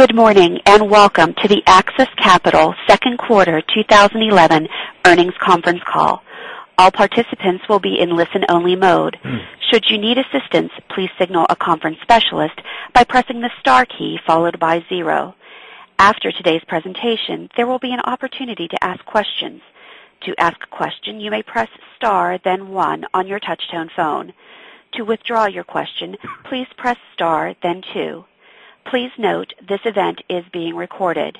Good morning, and welcome to the AXIS Capital second quarter 2011 earnings conference call. All participants will be in listen-only mode. Should you need assistance, please signal a conference specialist by pressing the star key followed by zero. After today's presentation, there will be an opportunity to ask questions. To ask a question, you may press star then one on your touch tone phone. To withdraw your question, please press star then two. Please note this event is being recorded.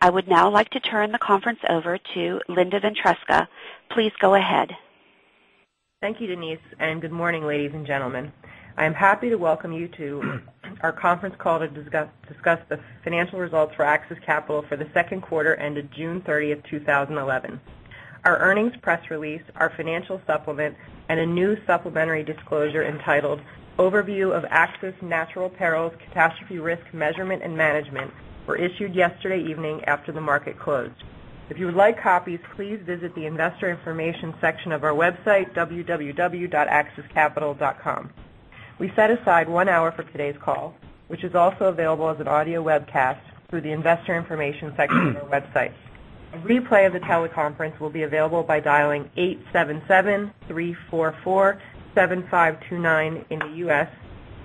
I would now like to turn the conference over to Linda Ventresca. Please go ahead. Thank you, Denise, and good morning, ladies and gentlemen. I am happy to welcome you to our conference call to discuss the financial results for AXIS Capital for the second quarter ended June 30th, 2011. Our earnings press release, our financial supplement, and a new supplementary disclosure entitled Overview of AXIS Natural Peril Catastrophe Risk Measurement and Management, were issued yesterday evening after the market closed. If you would like copies, please visit the investor information section of our website, www.axiscapital.com. We set aside one hour for today's call, which is also available as an audio webcast through the investor information section of our website. A replay of the teleconference will be available by dialing 877-344-7529 in the U.S. The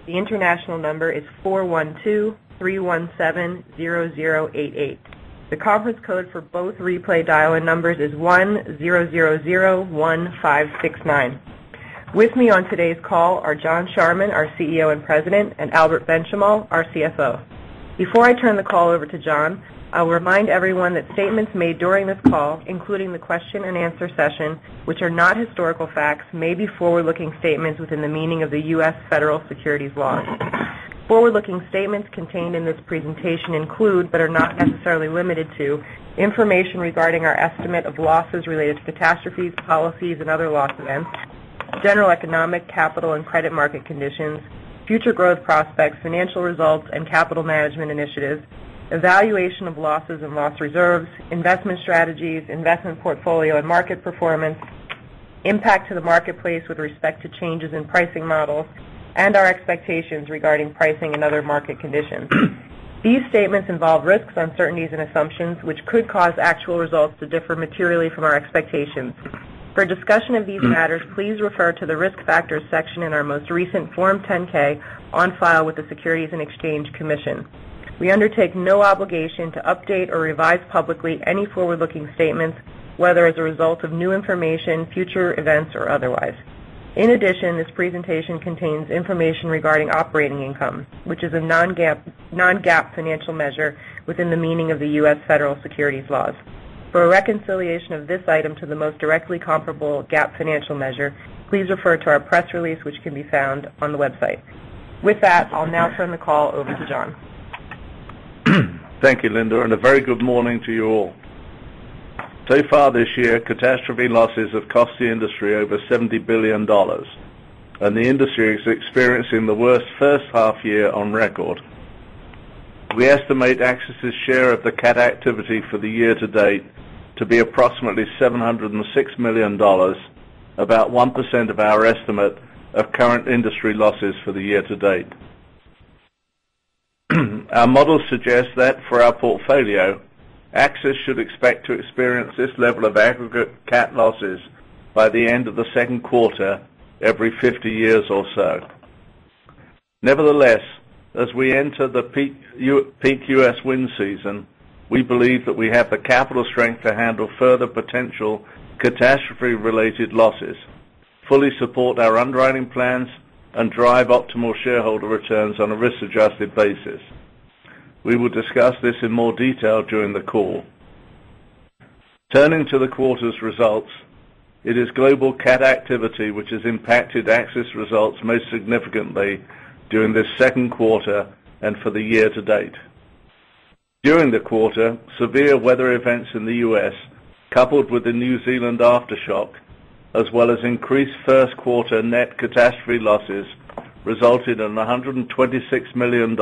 international number is 412-317-0088. The conference code for both replay dial-in numbers is 10001569. With me on today's call are John Charman, our CEO and President, and Albert Benchimol, our CFO. Before I turn the call over to John, I'll remind everyone that statements made during this call, including the question and answer session, which are not historical facts, may be forward-looking statements within the meaning of the U.S. federal securities laws. Forward-looking statements contained in this presentation include, are not necessarily limited to, information regarding our estimate of losses related to catastrophes, policies, and other loss events, general economic capital and credit market conditions, future growth prospects, financial results, and capital management initiatives, evaluation of losses and loss reserves, investment strategies, investment portfolio and market performance, impact to the marketplace with respect to changes in pricing models, and our expectations regarding pricing and other market conditions. These statements involve risks, uncertainties, and assumptions which could cause actual results to differ materially from our expectations. For a discussion of these matters, please refer to the Risk Factors section in our most recent Form 10-K on file with the Securities and Exchange Commission. We undertake no obligation to update or revise publicly any forward-looking statements, whether as a result of new information, future events, or otherwise. In addition, this presentation contains information regarding operating income, which is a non-GAAP financial measure within the meaning of the U.S. federal securities laws. For a reconciliation of this item to the most directly comparable GAAP financial measure, please refer to our press release, which can be found on the website. With that, I'll now turn the call over to John. Thank you, Linda, a very good morning to you all. Far this year, catastrophe losses have cost the industry over $70 billion, and the industry is experiencing the worst first half year on record. We estimate AXIS's share of the cat activity for the year to date to be approximately $706 million, about 1% of our estimate of current industry losses for the year to date. Our models suggest that for our portfolio, AXIS should expect to experience this level of aggregate cat losses by the end of the second quarter every 50 years or so. Nevertheless, as we enter the peak U.S. wind season, we believe that we have the capital strength to handle further potential catastrophe-related losses, fully support our underwriting plans, and drive optimal shareholder returns on a risk-adjusted basis. We will discuss this in more detail during the call. Turning to the quarter's results, it is global cat activity which has impacted AXIS results most significantly during this second quarter and for the year to date. During the quarter, severe weather events in the U.S., coupled with the New Zealand aftershock, as well as increased first quarter net catastrophe losses, resulted in $126 million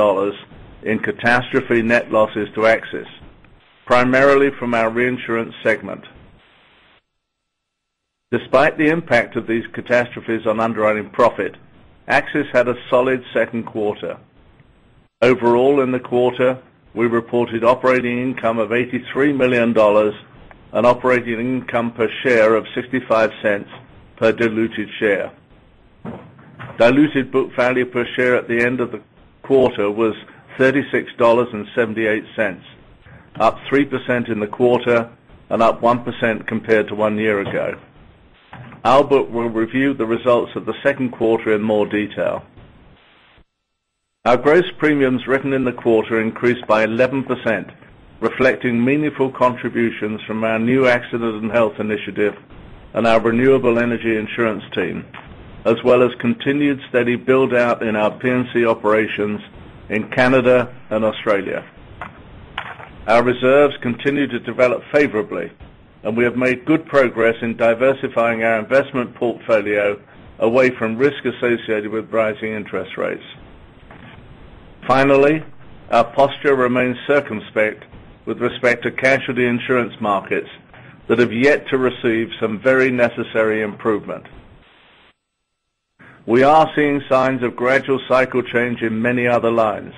in catastrophe net losses to AXIS, primarily from our reinsurance segment. Despite the impact of these catastrophes on underwriting profit, AXIS had a solid second quarter. Overall in the quarter, we reported operating income of $83 million and operating income per share of $0.65 per diluted share. Diluted book value per share at the end of the quarter was $36.78, up 3% in the quarter and up 1% compared to one year ago. Albert will review the results of the second quarter in more detail. Our gross premiums written in the quarter increased by 11%, reflecting meaningful contributions from our new Accident and Health initiative and our renewable energy insurance team, as well as continued steady build-out in our P&C operations in Canada and Australia. Our reserves continue to develop favorably, and we have made good progress in diversifying our investment portfolio away from risk associated with rising interest rates. Finally, our posture remains circumspect with respect to casualty insurance markets that have yet to receive some very necessary improvement. We are seeing signs of gradual cycle change in many other lines.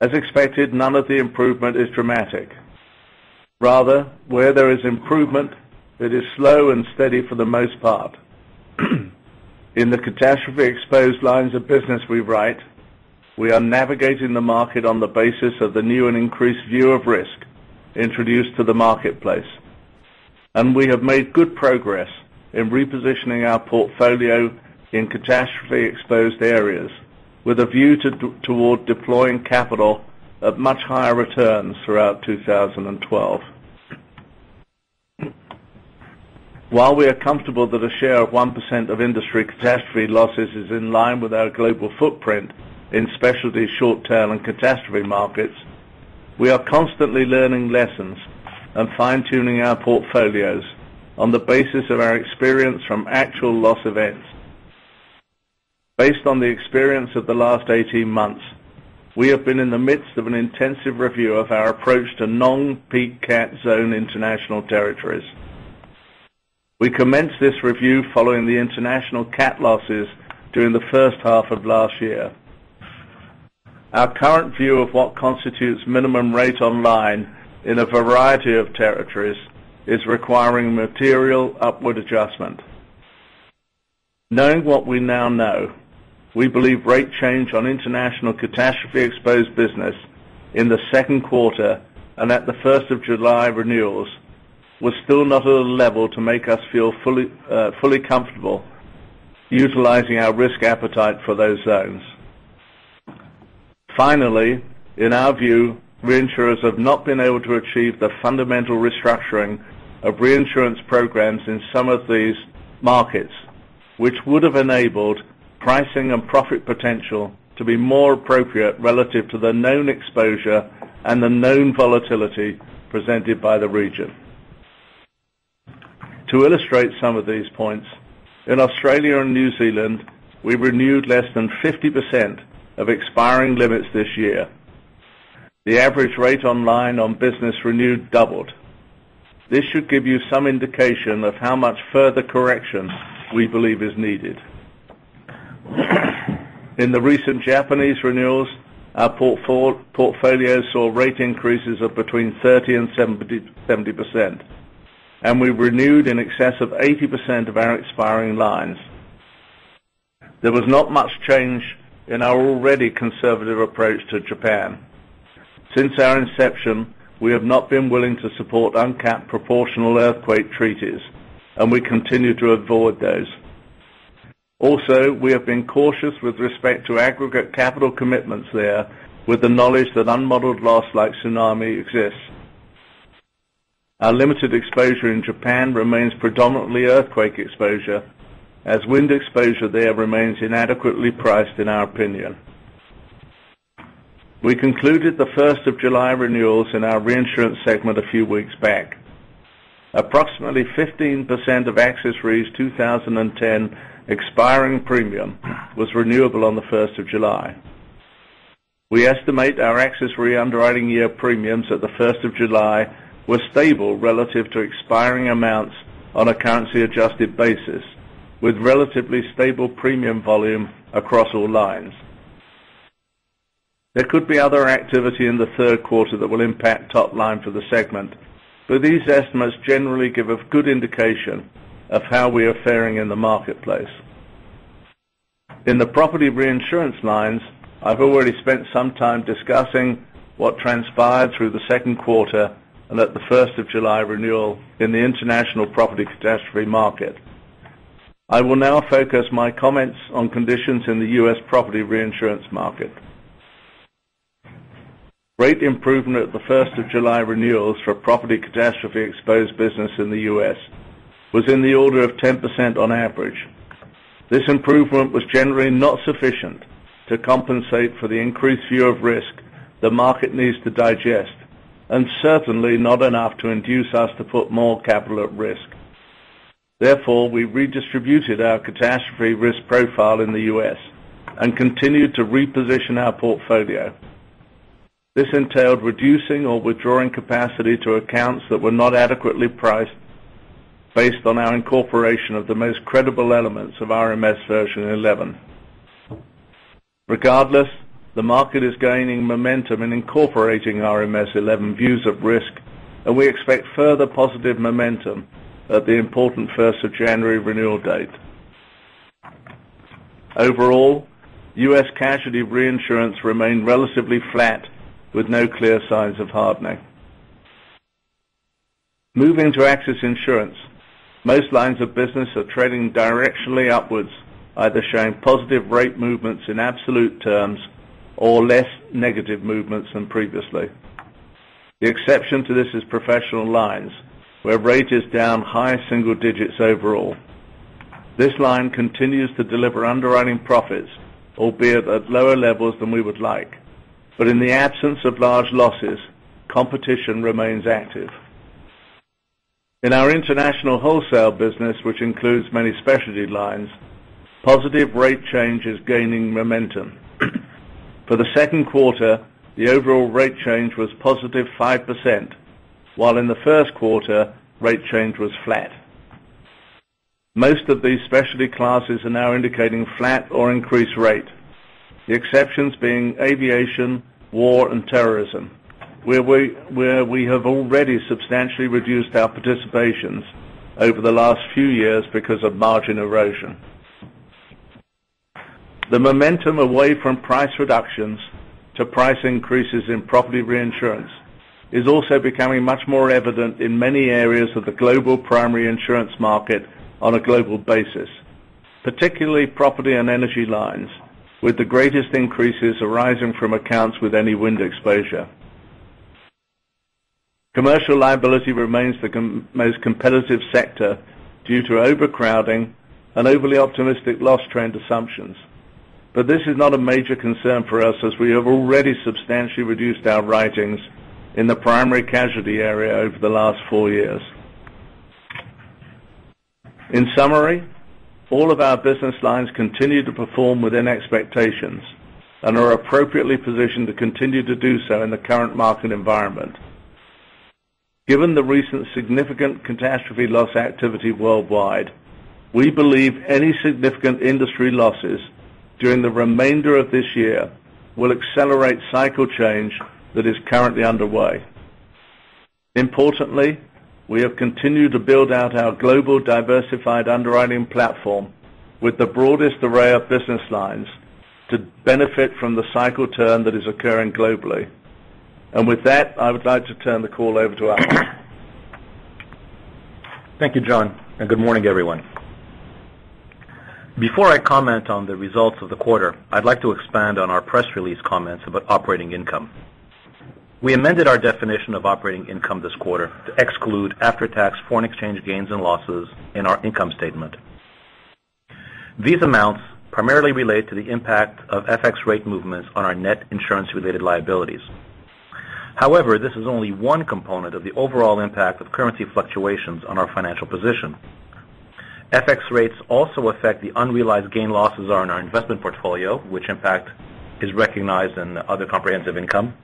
As expected, none of the improvement is dramatic. Rather, where there is improvement, it is slow and steady for the most part. In the catastrophe-exposed lines of business we write, we are navigating the market on the basis of the new and increased view of risk introduced to the marketplace, and we have made good progress in repositioning our portfolio in catastrophe-exposed areas with a view toward deploying capital at much higher returns throughout 2012. While we are comfortable that a share of 1% of industry catastrophe losses is in line with our global footprint in specialty short-term and catastrophe markets, we are constantly learning lessons and fine-tuning our portfolios on the basis of our experience from actual loss events. Based on the experience of the last 18 months, we have been in the midst of an intensive review of our approach to non-peak cat zone international territories. We commenced this review following the international cat losses during the first half of last year. Our current view of what constitutes minimum rate on line in a variety of territories is requiring material upward adjustment. Knowing what we now know, we believe rate change on international catastrophe-exposed business in the second quarter and at the 1st of July renewals was still not at a level to make us feel fully comfortable utilizing our risk appetite for those zones. Finally, in our view, reinsurers have not been able to achieve the fundamental restructuring of reinsurance programs in some of these markets, which would have enabled pricing and profit potential to be more appropriate relative to the known exposure and the known volatility presented by the region. To illustrate some of these points, in Australia and New Zealand, we've renewed less than 50% of expiring limits this year. The average rate on line on business renewed doubled. This should give you some indication of how much further correction we believe is needed. In the recent Japanese renewals, our portfolio saw rate increases of between 30% and 70%, and we've renewed in excess of 80% of our expiring lines. There was not much change in our already conservative approach to Japan. Since our inception, we have not been willing to support uncapped proportional earthquake treaties, and we continue to avoid those. Also, we have been cautious with respect to aggregate capital commitments there with the knowledge that unmodeled loss like tsunami exists. Our limited exposure in Japan remains predominantly earthquake exposure, as wind exposure there remains inadequately priced in our opinion. We concluded the 1st of July renewals in our reinsurance segment a few weeks back. Approximately 15% of AXIS Re's 2010 expiring premium was renewable on the 1st of July. We estimate our AXIS Re underwriting year premiums at the 1st of July were stable relative to expiring amounts on a currency-adjusted basis, with relatively stable premium volume across all lines. There could be other activity in the third quarter that will impact top line for the segment, but these estimates generally give a good indication of how we are faring in the marketplace. In the property reinsurance lines, I've already spent some time discussing what transpired through the second quarter and at the 1st of July renewal in the international property catastrophe market. I will now focus my comments on conditions in the U.S. property reinsurance market. Rate improvement at the 1st of July renewals for property catastrophe-exposed business in the U.S. was in the order of 10% on average. This improvement was generally not sufficient to compensate for the increased view of risk the market needs to digest, and certainly not enough to induce us to put more capital at risk. Therefore, we redistributed our catastrophe risk profile in the U.S. and continued to reposition our portfolio. This entailed reducing or withdrawing capacity to accounts that were not adequately priced based on our incorporation of the most credible elements of RMS version 11. Regardless, the market is gaining momentum in incorporating RMS 11 views of risk, and we expect further positive momentum at the important 1st of January renewal date. Overall, U.S. casualty reinsurance remained relatively flat with no clear signs of hardening. Moving to AXIS Insurance, most lines of business are trending directionally upwards, either showing positive rate movements in absolute terms or less negative movements than previously. The exception to this is professional lines, where rate is down high single digits overall. This line continues to deliver underwriting profits, albeit at lower levels than we would like. In the absence of large losses, competition remains active. In our international wholesale business, which includes many specialty lines, positive rate change is gaining momentum. For the second quarter, the overall rate change was positive 5%, while in the first quarter, rate change was flat. Most of these specialty classes are now indicating flat or increased rate. The exceptions being aviation, war, and terrorism, where we have already substantially reduced our participations over the last few years because of margin erosion. The momentum away from price reductions to price increases in property reinsurance is also becoming much more evident in many areas of the global primary insurance market on a global basis. Particularly property and energy lines, with the greatest increases arising from accounts with any wind exposure. Commercial liability remains the most competitive sector due to overcrowding and overly optimistic loss trend assumptions. This is not a major concern for us as we have already substantially reduced our writings in the primary casualty area over the last four years. In summary, all of our business lines continue to perform within expectations and are appropriately positioned to continue to do so in the current market environment. Given the recent significant catastrophe loss activity worldwide, we believe any significant industry losses during the remainder of this year will accelerate cycle change that is currently underway. Importantly, we have continued to build out our global diversified underwriting platform with the broadest array of business lines to benefit from the cycle turn that is occurring globally. With that, I would like to turn the call over to Albert. Thank you, John, and good morning, everyone. Before I comment on the results of the quarter, I'd like to expand on our press release comments about operating income. We amended our definition of operating income this quarter to exclude after-tax foreign exchange gains and losses in our income statement. These amounts primarily relate to the impact of FX rate movements on our net insurance-related liabilities. However, this is only one component of the overall impact of currency fluctuations on our financial position. FX rates also affect the unrealized gain losses on our investment portfolio, which in fact is recognized in other comprehensive income,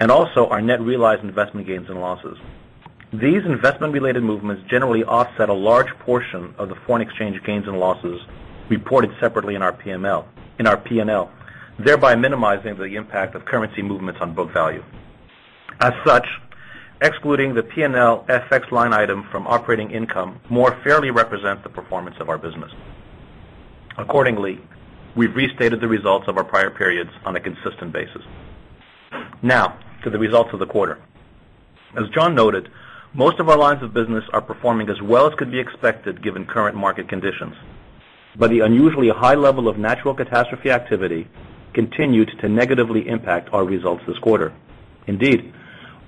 and also our net realized investment gains and losses. These investment-related movements generally offset a large portion of the foreign exchange gains and losses reported separately in our P&L, thereby minimizing the impact of currency movements on book value. Excluding the P&L FX line item from operating income more fairly represents the performance of our business. Accordingly, we've restated the results of our prior periods on a consistent basis. Now to the results of the quarter. As John noted, most of our lines of business are performing as well as could be expected given current market conditions. The unusually high level of natural catastrophe activity continued to negatively impact our results this quarter. Indeed,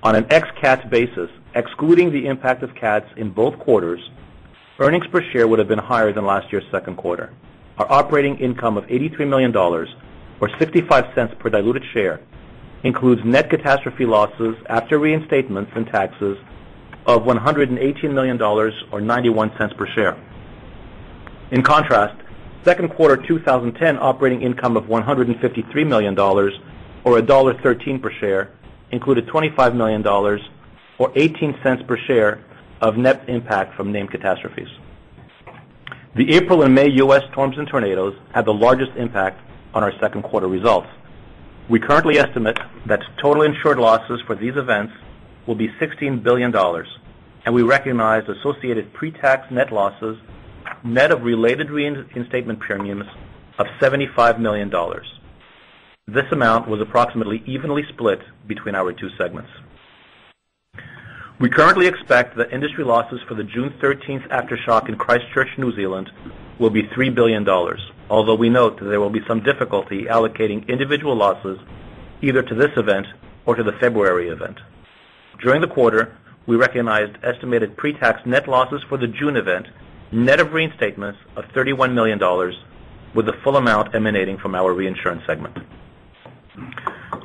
on an ex-cats basis, excluding the impact of cats in both quarters, earnings per share would have been higher than last year's second quarter. Our operating income of $83 million, or $0.65 per diluted share, includes net catastrophe losses after reinstatements and taxes of $118 million, or $0.91 per share. In contrast, second quarter 2010 operating income of $153 million, or $1.13 per share, included $25 million or $0.18 per share of net impact from named catastrophes. The April and May U.S. storms and tornadoes had the largest impact on our second quarter results. We currently estimate that total insured losses for these events will be $16 billion, and we recognize associated pre-tax net losses, net of related reinstatement premiums of $75 million. This amount was approximately evenly split between our two segments. We currently expect that industry losses for the June 13th aftershock in Christchurch, New Zealand, will be $3 billion. Although we note that there will be some difficulty allocating individual losses either to this event or to the February event. During the quarter, we recognized estimated pre-tax net losses for the June event, net of reinstatements of $31 million, with the full amount emanating from our reinsurance segment.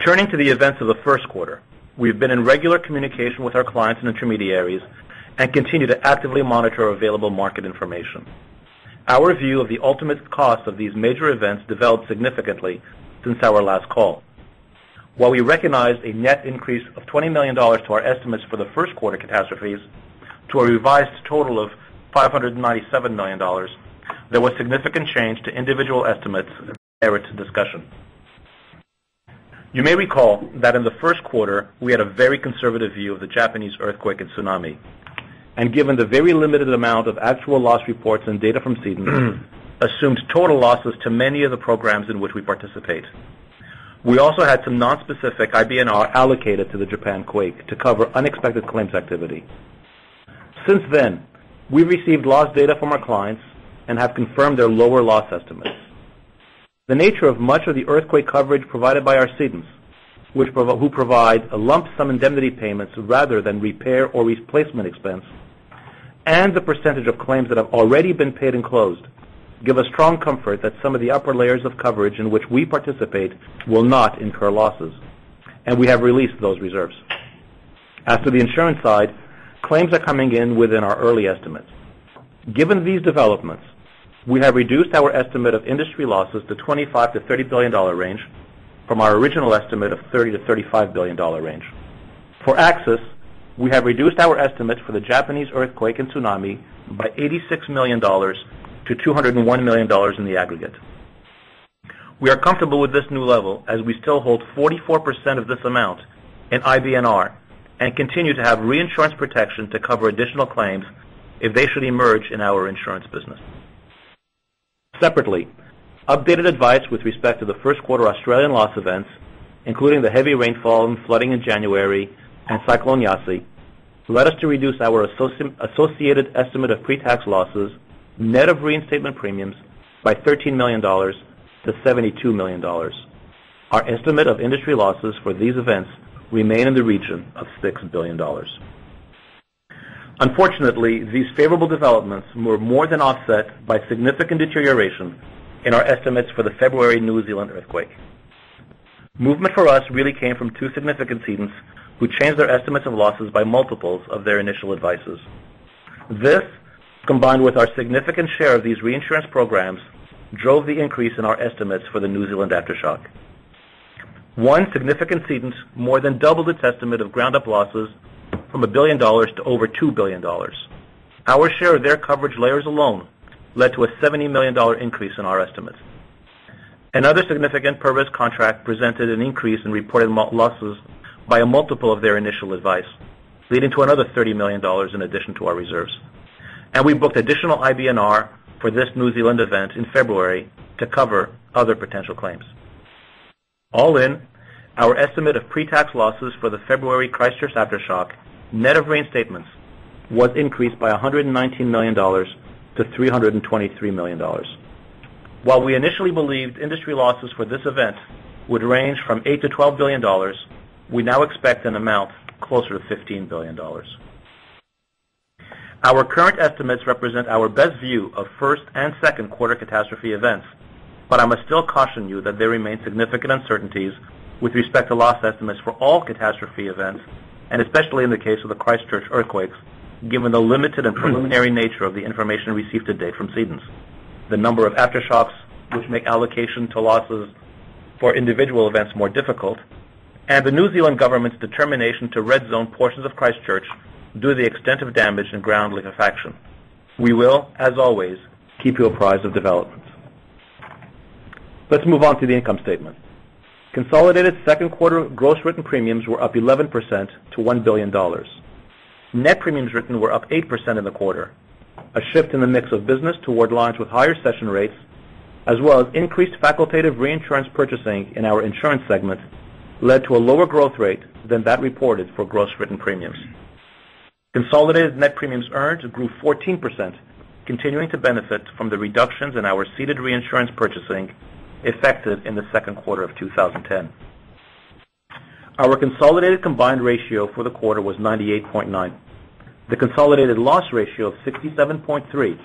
Turning to the events of the first quarter. We have been in regular communication with our clients and intermediaries and continue to actively monitor available market information. Our view of the ultimate cost of these major events developed significantly since our last call. While we recognized a net increase of $20 million to our estimates for the first quarter catastrophes, to a revised total of $597 million, there was significant change to individual estimates discussion. You may recall that in the first quarter, we had a very conservative view of the Japanese earthquake and tsunami. Given the very limited amount of actual loss reports and data from cedents, assumed total losses to many of the programs in which we participate. We also had some non-specific IBNR allocated to the Japan quake to cover unexpected claims activity. Since then, we've received loss data from our clients and have confirmed their lower loss estimates. The nature of much of the earthquake coverage provided by our cedents, who provide a lump sum indemnity payments rather than repair or replacement expense, and the percentage of claims that have already been paid and closed give us strong comfort that some of the upper layers of coverage in which we participate will not incur losses, and we have released those reserves. As to the insurance side, claims are coming in within our early estimates. Given these developments, we have reduced our estimate of industry losses to $25 billion-$30 billion range from our original estimate of $30 billion-$35 billion range. For AXIS, we have reduced our estimates for the Japanese earthquake and tsunami by $86 million to $201 million in the aggregate. We are comfortable with this new level as we still hold 44% of this amount in IBNR and continue to have reinsurance protection to cover additional claims if they should emerge in our insurance business. Updated advice with respect to the first quarter Australian loss events, including the heavy rainfall and flooding in January and Cyclone Yasi, led us to reduce our associated estimate of pre-tax losses net of reinstatement premiums by $13 million to $72 million. Our estimate of industry losses for these events remain in the region of $6 billion. These favorable developments were more than offset by significant deterioration in our estimates for the February New Zealand earthquake. Movement for us really came from two significant cedents who changed their estimates and losses by multiples of their initial advices. This, combined with our significant share of these reinsurance programs, drove the increase in our estimates for the New Zealand aftershock. One significant cedent more than doubled its estimate of ground-up losses from $1 billion to over $2 billion. Our share of their coverage layers alone led to a $70 million increase in our estimates. Another significant per-risk contract presented an increase in reported losses by a multiple of their initial advice, leading to another $30 million in addition to our reserves. We booked additional IBNR for this New Zealand event in February to cover other potential claims. All in, our estimate of pre-tax losses for the February Christchurch aftershock, net of reinstatements, was increased by $119 million to $323 million. We initially believed industry losses for this event would range from $8 billion-$12 billion, we now expect an amount closer to $15 billion. Our current estimates represent our best view of first and second quarter catastrophe events. I must still caution you that there remain significant uncertainties with respect to loss estimates for all catastrophe events, and especially in the case of the Christchurch earthquakes, given the limited and preliminary nature of the information received to date from cedents, the number of aftershocks which make allocation to losses for individual events more difficult, and the New Zealand government's determination to red zone portions of Christchurch due to the extent of damage and ground liquefaction. We will, as always, keep you apprised of developments. Let's move on to the income statement. Consolidated second quarter gross written premiums were up 11% to $1 billion. Net premiums written were up 8% in the quarter. A shift in the mix of business toward lines with higher session rates, as well as increased facultative reinsurance purchasing in our insurance segment, led to a lower growth rate than that reported for gross written premiums. Consolidated net premiums earned grew 14%, continuing to benefit from the reductions in our ceded reinsurance purchasing effective in the second quarter of 2010. Our consolidated combined ratio for the quarter was 98.9. The consolidated loss ratio of 67.3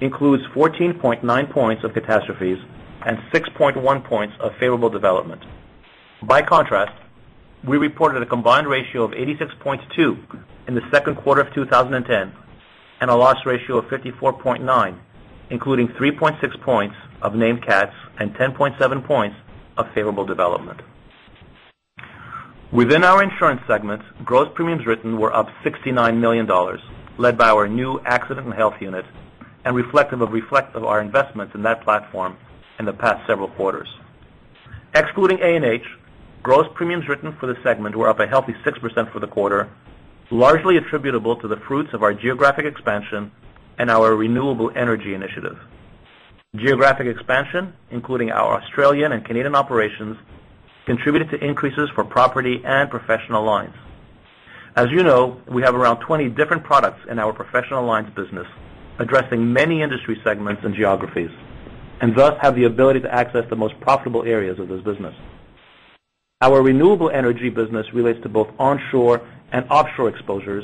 includes 14.9 points of catastrophes and 6.1 points of favorable development. By contrast, we reported a combined ratio of 86.2 in the second quarter of 2010 and a loss ratio of 54.9, including 3.6 points of named cats and 10.7 points of favorable development. Within our insurance segment, gross premiums written were up $69 million, led by our new Accident & Health unit and reflective of our investment in that platform in the past several quarters. Excluding A&H, gross premiums written for the segment were up a healthy 6% for the quarter, largely attributable to the fruits of our geographic expansion and our renewable energy initiative. Geographic expansion, including our Australian and Canadian operations, contributed to increases for property and professional lines. As you know, we have around 20 different products in our professional lines business addressing many industry segments and geographies and thus have the ability to access the most profitable areas of this business. Our renewable energy business relates to both onshore and offshore exposures,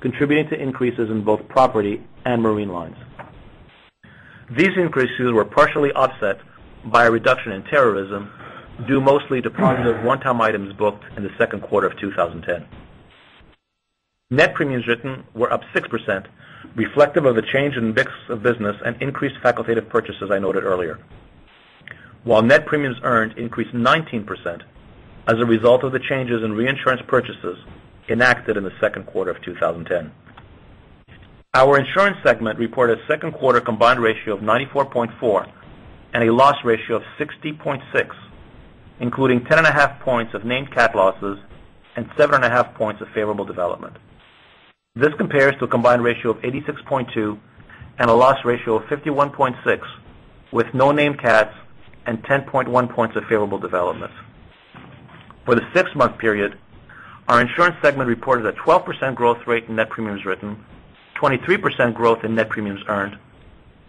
contributing to increases in both property and marine lines. These increases were partially offset by a reduction in terrorism due mostly to positive one-time items booked in the second quarter of 2010. Net premiums written were up 6%, reflective of a change in mix of business and increased facultative purchases I noted earlier. Net premiums earned increased 19% as a result of the changes in reinsurance purchases enacted in the second quarter of 2010. Our insurance segment reported second quarter combined ratio of 94.4 and a loss ratio of 60.6, including 10.5 points of named cat losses and 7.5 points of favorable development. This compares to a combined ratio of 86.2 and a loss ratio of 51.6 with no named cats and 10.1 points of favorable development. For the six-month period, our insurance segment reported a 12% growth rate in net premiums written, 23% growth in net premiums earned,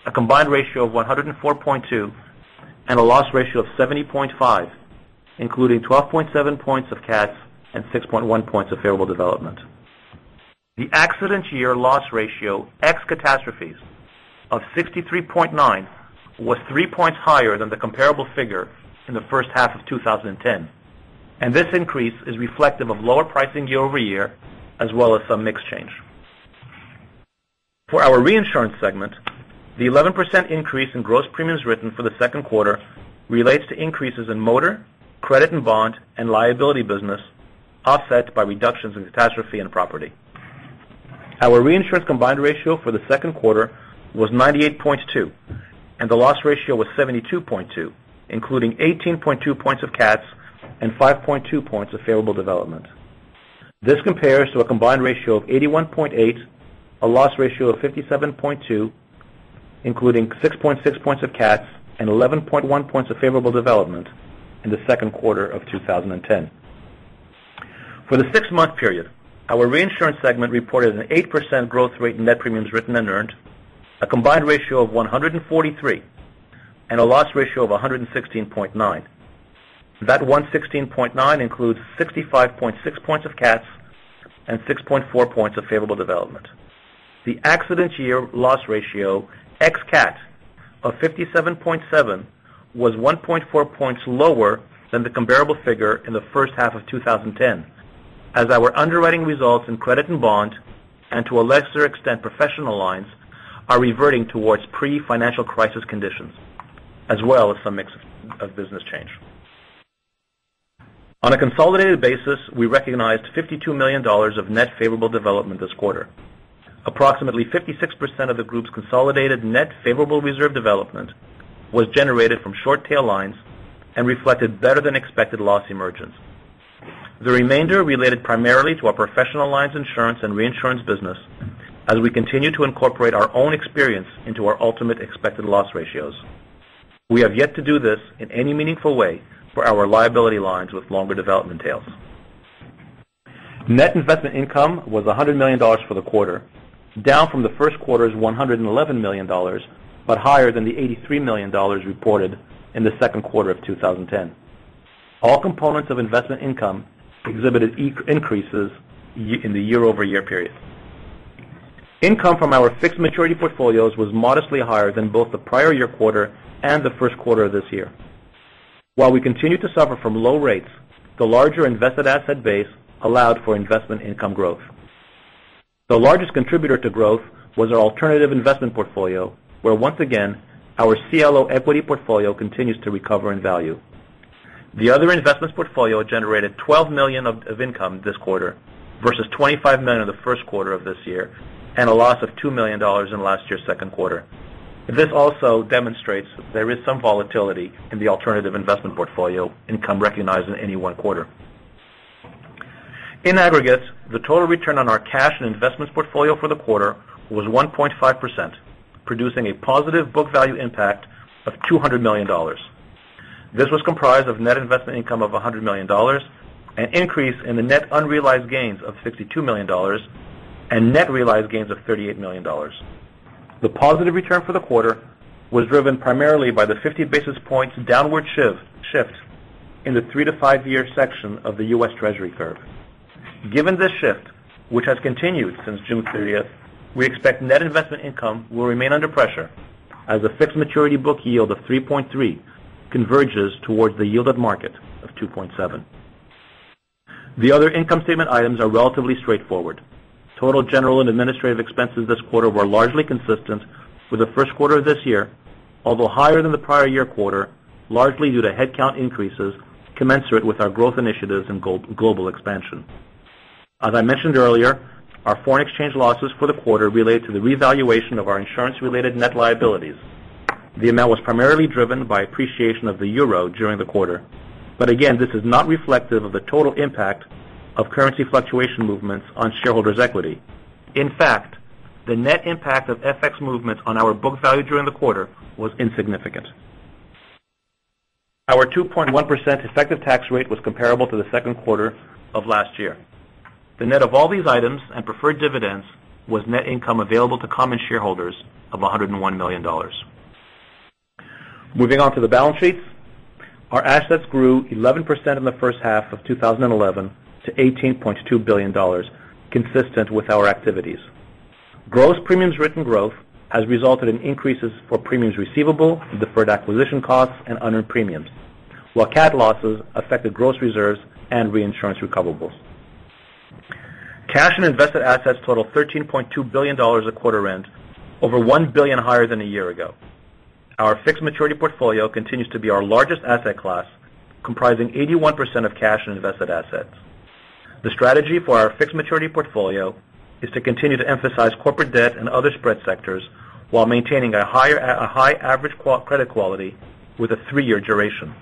a combined ratio of 104.2, and a loss ratio of 70.5, including 12.7 points of cats and 6.1 points of favorable development. The accident year loss ratio, ex catastrophes of 63.9, was three points higher than the comparable figure in the first half of 2010. This increase is reflective of lower pricing year-over-year as well as some mix change. For our reinsurance segment, the 11% increase in gross premiums written for the second quarter relates to increases in motor, credit & bond, and liability business, offset by reductions in catastrophe and property. Our reinsurance combined ratio for the second quarter was 98.2, and the loss ratio was 72.2, including 18.2 points of cats and 5.2 points of favorable development. This compares to a combined ratio of 81.8, a loss ratio of 57.2, including 6.6 points of cats and 11.1 points of favorable development in the second quarter of 2010. For the six-month period, our reinsurance segment reported an 8% growth rate in net premiums written and earned, a combined ratio of 143, and a loss ratio of 116.9. That 116.9 includes 65.6 points of cats and 6.4 points of favorable development. The accident year loss ratio, ex cat of 57.7, was 1.4 points lower than the comparable figure in the first half of 2010, as our underwriting results in credit & bond, and to a lesser extent, professional lines, are reverting towards pre-financial crisis conditions, as well as some mix of business change. On a consolidated basis, we recognized $52 million of net favorable development this quarter. Approximately 56% of the group's consolidated net favorable reserve development was generated from short tail lines and reflected better than expected loss emergence. The remainder related primarily to our professional lines insurance and reinsurance business, as we continue to incorporate our own experience into our ultimate expected loss ratios. We have yet to do this in any meaningful way for our liability lines with longer development tails. Net investment income was $100 million for the quarter, down from the first quarter's $111 million, but higher than the $83 million reported in the second quarter of 2010. All components of investment income exhibited increases in the year-over-year period. Income from our fixed maturity portfolios was modestly higher than both the prior year quarter and the first quarter of this year. While we continue to suffer from low rates, the larger invested asset base allowed for investment income growth. The largest contributor to growth was our alternative investment portfolio, where once again, our CLO equity portfolio continues to recover in value. The other investments portfolio generated $12 million of income this quarter versus $25 million in the first quarter of this year, and a loss of $2 million in last year's second quarter. This also demonstrates there is some volatility in the alternative investment portfolio income recognized in any one quarter. In aggregate, the total return on our cash and investments portfolio for the quarter was 1.5%, producing a positive book value impact of $200 million. This was comprised of net investment income of $100 million, an increase in the net unrealized gains of $52 million, and net realized gains of $38 million. The positive return for the quarter was driven primarily by the 50 basis points downward shift in the three- to five-year section of the U.S. Treasury curve. Given this shift, which has continued since June 30th, we expect net investment income will remain under pressure as a fixed maturity book yield of 3.3% converges towards the yield of market of 2.7%. The other income statement items are relatively straightforward. Total general and administrative expenses this quarter were largely consistent with the first quarter of this year, although higher than the prior year quarter, largely due to headcount increases commensurate with our growth initiatives and global expansion. As I mentioned earlier, our foreign exchange losses for the quarter relate to the revaluation of our insurance-related net liabilities. The amount was primarily driven by appreciation of the euro during the quarter. Again, this is not reflective of the total impact of currency fluctuation movements on shareholders' equity. In fact, the net impact of FX movements on our book value during the quarter was insignificant. Our 2.1% effective tax rate was comparable to the second quarter of last year. The net of all these items and preferred dividends was net income available to common shareholders of $101 million. Moving on to the balance sheets. Our assets grew 11% in the first half of 2011 to $18.2 billion, consistent with our activities. Gross premiums written growth has resulted in increases for premiums receivable in deferred acquisition costs and unearned premiums. Cat losses affected gross reserves and reinsurance recoverables. Cash and invested assets total $13.2 billion of quarter end, over $1 billion higher than a year ago. Our fixed maturity portfolio continues to be our largest asset class, comprising 81% of cash and invested assets. The strategy for our fixed maturity portfolio is to continue to emphasize corporate debt and other spread sectors while maintaining a high average credit quality with a three-year duration.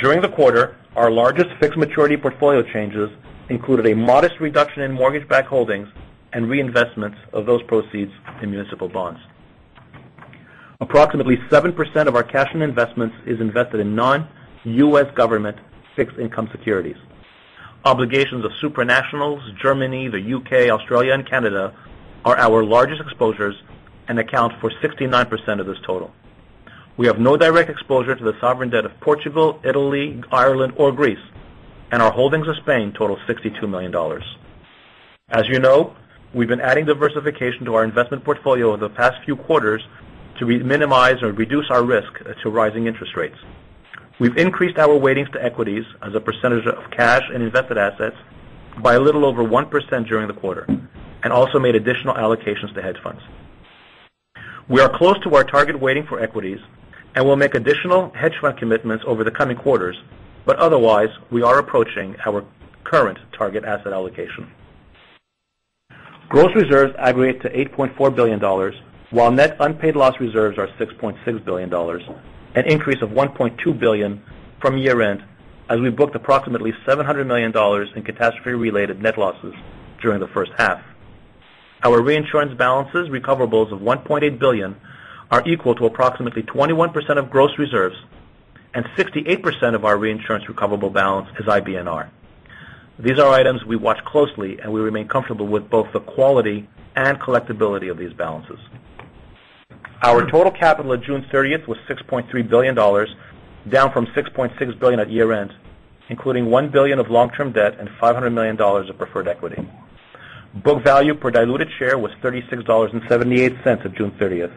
During the quarter, our largest fixed maturity portfolio changes included a modest reduction in mortgage-backed holdings and reinvestments of those proceeds in municipal bonds. Approximately 7% of our cash and investments is invested in non-U.S. government fixed income securities. Obligations of supranationals, Germany, the U.K., Australia, and Canada are our largest exposures and account for 69% of this total. We have no direct exposure to the sovereign debt of Portugal, Italy, Ireland, or Greece, and our holdings of Spain total $62 million. As you know, we've been adding diversification to our investment portfolio over the past few quarters to minimize or reduce our risk to rising interest rates. We've increased our weightings to equities as a percentage of cash and invested assets by a little over 1% during the quarter, and also made additional allocations to hedge funds. We are close to our target weighting for equities, and we'll make additional hedge fund commitments over the coming quarters, but otherwise, we are approaching our current target asset allocation. Gross reserves aggregate to $8.4 billion, while net unpaid loss reserves are $6.6 billion, an increase of $1.2 billion from year-end, as we booked approximately $700 million in catastrophe-related net losses during the first half. Our reinsurance balances recoverables of $1.8 billion are equal to approximately 21% of gross reserves, and 68% of our reinsurance recoverable balance is IBNR. These are items we watch closely, and we remain comfortable with both the quality and collectability of these balances. Our total capital at June 30th was $6.3 billion, down from $6.6 billion at year-end, including $1 billion of long-term debt and $500 million of preferred equity. Book value per diluted share was $36.78 at June 30th,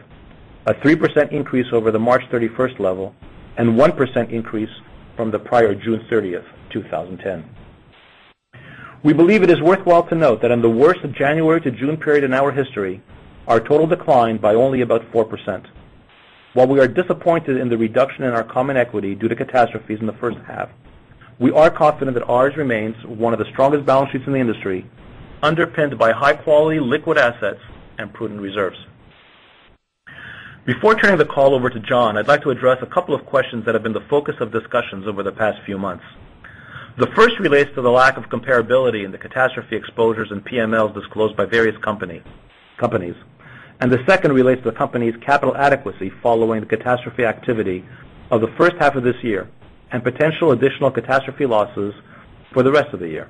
a 3% increase over the March 31st level and 1% increase from the prior June 30th, 2010. We believe it is worthwhile to note that in the worst of January to June period in our history, our total declined by only about 4%. While we are disappointed in the reduction in our common equity due to catastrophes in the first half, we are confident that ours remains one of the strongest balance sheets in the industry, underpinned by high-quality liquid assets and prudent reserves. Before turning the call over to John, I'd like to address a couple of questions that have been the focus of discussions over the past few months. The first relates to the lack of comparability in the catastrophe exposures and PMLs disclosed by various companies, and the second relates to the company's capital adequacy following the catastrophe activity of the first half of this year and potential additional catastrophe losses for the rest of the year.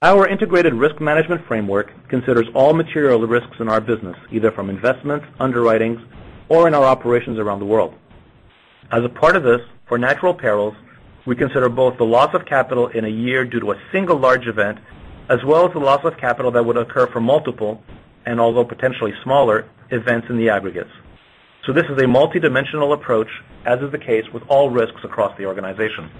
Our integrated risk management framework considers all material risks in our business, either from investments, underwriting, or in our operations around the world. As a part of this, for natural perils, we consider both the loss of capital in a year due to a single large event, as well as the loss of capital that would occur for multiple and although potentially smaller events in the aggregates. So this is a multidimensional approach, as is the case with all risks across the organization.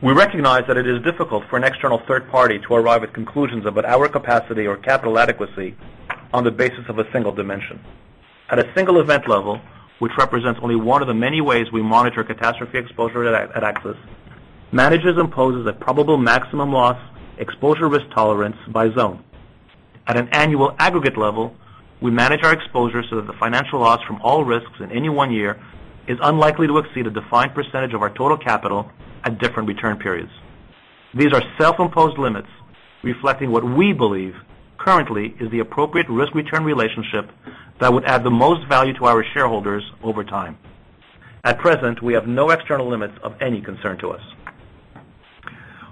We recognize that it is difficult for an external third party to arrive at conclusions about our capacity or capital adequacy on the basis of a single dimension. At a single event level, which represents only one of the many ways we monitor catastrophe exposure at AXIS, management imposes a probable maximum loss exposure risk tolerance by zone. At an annual aggregate level, we manage our exposure so that the financial loss from all risks in any one year is unlikely to exceed a defined percentage of our total capital at different return periods. These are self-imposed limits reflecting what we believe currently is the appropriate risk-return relationship that would add the most value to our shareholders over time. At present, we have no external limits of any concern to us.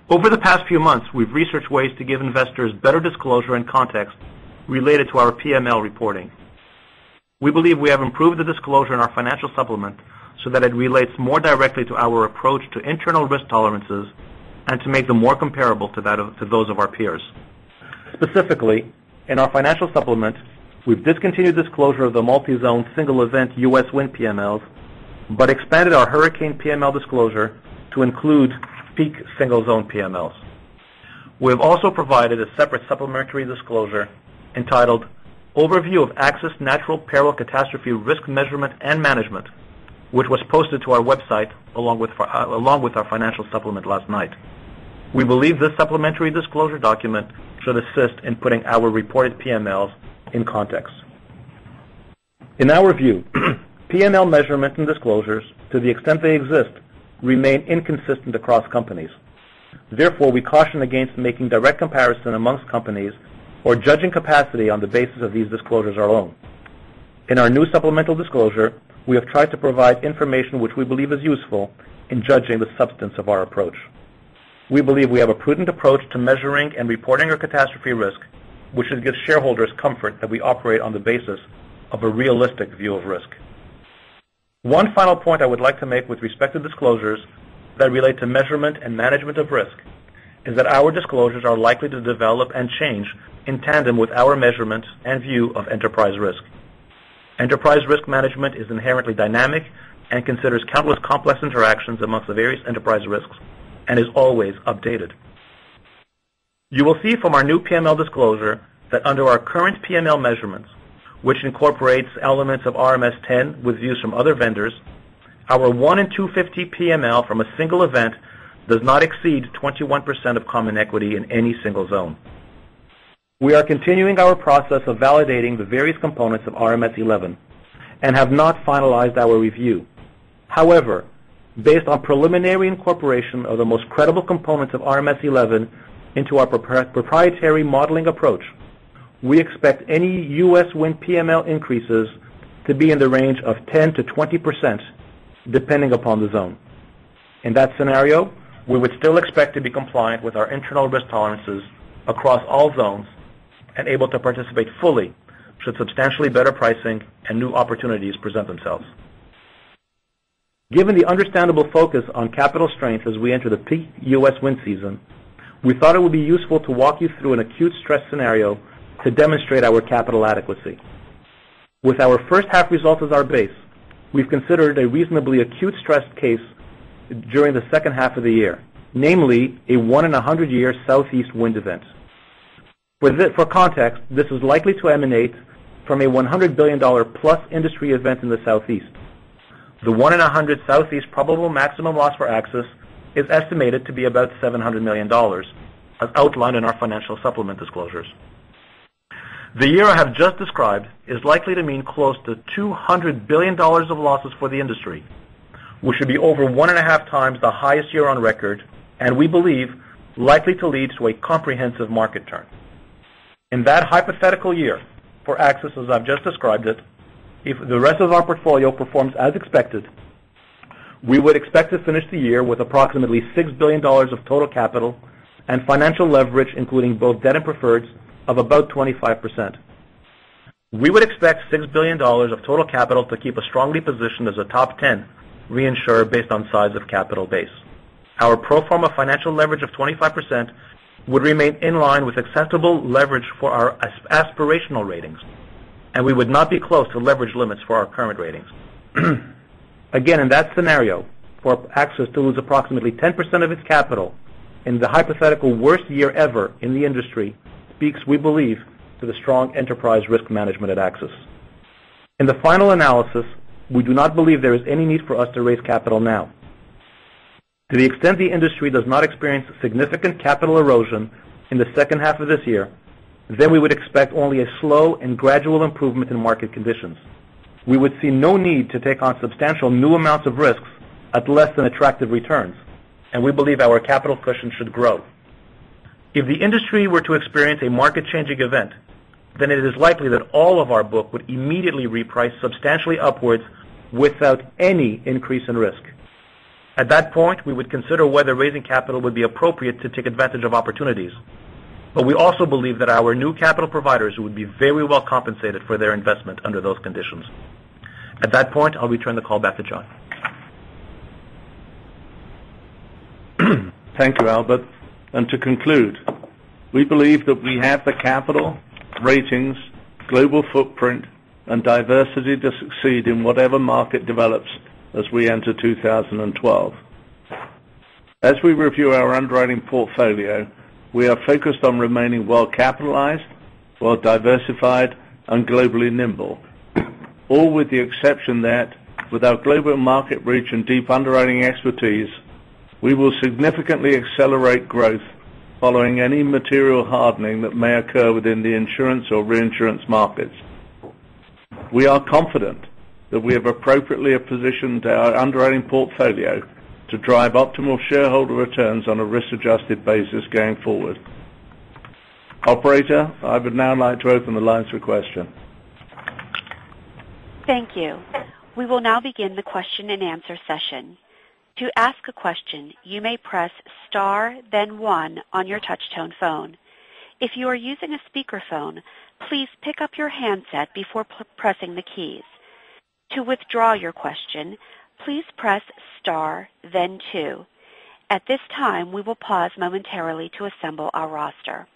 Over the past few months, we've researched ways to give investors better disclosure and context related to our PML reporting. We believe we have improved the disclosure in our financial supplement so that it relates more directly to our approach to internal risk tolerances and to make them more comparable to those of our peers. Specifically, in our financial supplement, we've discontinued disclosure of the multi-zone single event U.S. wind PMLs, but expanded our hurricane PML disclosure to include peak single-zone PMLs. We have also provided a separate supplementary disclosure entitled Overview of AXIS Natural Peril Catastrophe Risk Measurement and Management, which was posted to our website along with our financial supplement last night. We believe this supplementary disclosure document should assist in putting our reported PMLs in context. In our view, PML measurement and disclosures, to the extent they exist, remain inconsistent across companies. We caution against making direct comparison amongst companies or judging capacity on the basis of these disclosures alone. In our new supplemental disclosure, we have tried to provide information which we believe is useful in judging the substance of our approach. We believe we have a prudent approach to measuring and reporting our catastrophe risk, which should give shareholders comfort that we operate on the basis of a realistic view of risk. One final point I would like to make with respect to disclosures that relate to measurement and management of risk is that our disclosures are likely to develop and change in tandem with our measurements and view of enterprise risk. Enterprise risk management is inherently dynamic and considers countless complex interactions amongst the various enterprise risks and is always updated. You will see from our new PML disclosure that under our current PML measurements, which incorporates elements of RMS 10 with views from other vendors, our one in 250 PML from a single event does not exceed 21% of common equity in any single zone. We are continuing our process of validating the various components of RMS 11 and have not finalized our review. However, based on preliminary incorporation of the most credible components of RMS 11 into our proprietary modeling approach, we expect any U.S. wind PML increases to be in the range of 10%-20%, depending upon the zone. In that scenario, we would still expect to be compliant with our internal risk tolerances across all zones and able to participate fully should substantially better pricing and new opportunities present themselves. Given the understandable focus on capital strength as we enter the peak U.S. wind season, we thought it would be useful to walk you through an acute stress scenario to demonstrate our capital adequacy. With our first half results as our base, we've considered a reasonably acute stress case during the second half of the year, namely a one in a 100-year southeast wind event. For context, this is likely to emanate from a $100 billion+ industry event in the southeast. The one in 100 southeast probable maximum loss for AXIS is estimated to be about $700 million, as outlined in our financial supplement disclosures. The year I have just described is likely to mean close to $200 billion of losses for the industry, which would be over one and a half times the highest year on record, and we believe likely to lead to a comprehensive market turn. In that hypothetical year for AXIS, as I've just described it, if the rest of our portfolio performs as expected, we would expect to finish the year with approximately $6 billion of total capital and financial leverage, including both debt and preferreds of about 25%. We would expect $6 billion of total capital to keep us strongly positioned as a top 10 reinsurer based on size of capital base. Our pro forma financial leverage of 25% would remain in line with acceptable leverage for our aspirational ratings, and we would not be close to leverage limits for our current ratings. In that scenario, for AXIS to lose approximately 10% of its capital in the hypothetical worst year ever in the industry speaks, we believe, to the strong enterprise risk management at AXIS. In the final analysis, we do not believe there is any need for us to raise capital now. To the extent the industry does not experience significant capital erosion in the second half of this year, we would expect only a slow and gradual improvement in market conditions. We would see no need to take on substantial new amounts of risks at less than attractive returns, and we believe our capital cushion should grow. If the industry were to experience a market-changing event, it is likely that all of our book would immediately reprice substantially upwards without any increase in risk. At that point, we would consider whether raising capital would be appropriate to take advantage of opportunities. We also believe that our new capital providers would be very well compensated for their investment under those conditions. At that point, I'll return the call back to John. Thank you, Albert. To conclude, we believe that we have the capital, ratings, global footprint, and diversity to succeed in whatever market develops as we enter 2012. As we review our underwriting portfolio, we are focused on remaining well capitalized, well diversified, and globally nimble, all with the exception that with our global market reach and deep underwriting expertise, we will significantly accelerate growth following any material hardening that may occur within the insurance or reinsurance markets. We are confident that we have appropriately positioned our underwriting portfolio to drive optimal shareholder returns on a risk-adjusted basis going forward. Operator, I would now like to open the line to questions. Thank you. We will now begin the question and answer session. To ask a question, you may press star then one on your touch tone phone. If you are using a speakerphone, please pick up your handset before pressing the keys. To withdraw your question, please press star then two. At this time, we will pause momentarily to assemble our roster.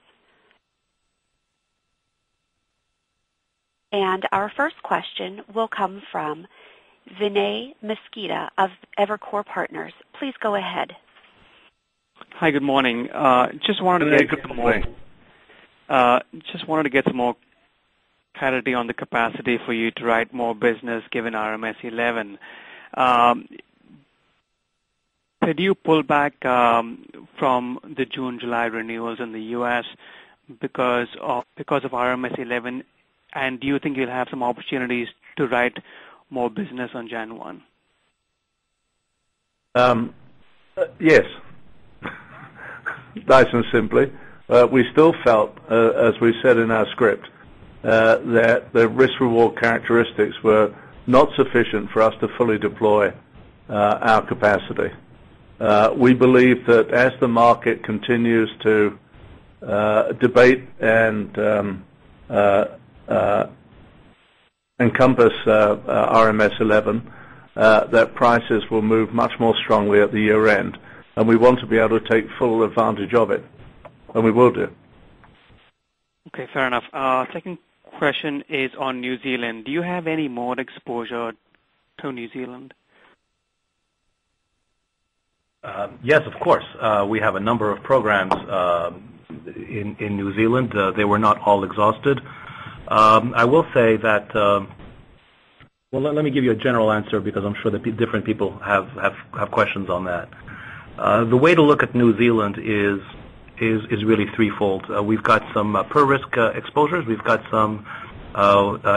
Our first question will come from Vinay Mascarenhas of Evercore Partners. Please go ahead. Hi, good morning. Vinay, good morning. Just wanted to get some more clarity on the capacity for you to write more business given RMS 11. Did you pull back from the June, July renewals in the U.S. because of RMS 11, and do you think you'll have some opportunities to write more business on January 1? Yes. Nice and simply. We still felt, as we said in our script, that the risk reward characteristics were not sufficient for us to fully deploy our capacity. We believe that as the market continues to debate and encompass RMS 11, that prices will move much more strongly at the year-end. We want to be able to take full advantage of it, and we will do. Okay, fair enough. Second question is on New Zealand. Do you have any more exposure to New Zealand? Yes, of course. We have a number of programs in New Zealand. They were not all exhausted. Well, let me give you a general answer because I'm sure that different people have questions on that. The way to look at New Zealand is really threefold. We've got some per-risk exposures. We've got some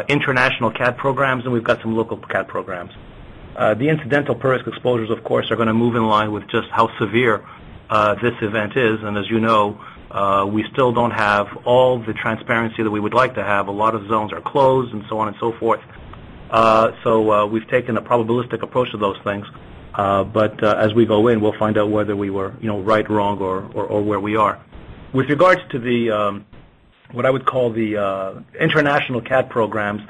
international cat programs, and we've got some local cat programs. The incidental per-risk exposures, of course, are going to move in line with just how severe this event is. As you know, we still don't have all the transparency that we would like to have. A lot of zones are closed and so on and so forth. We've taken a probabilistic approach to those things. As we go in, we'll find out whether we were right, wrong, or where we are. With regards to what I would call the international cat programs,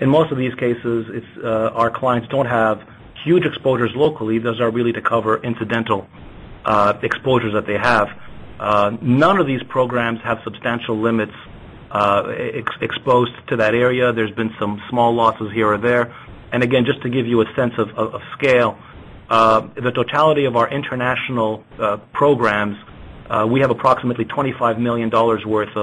in most of these cases, our clients don't have huge exposures locally. Those are really to cover incidental exposures that they have. None of these programs have substantial limits exposed to that area. There's been some small losses here or there. Again, just to give you a sense of scale, the totality of our international programs, we have approximately $25 million worth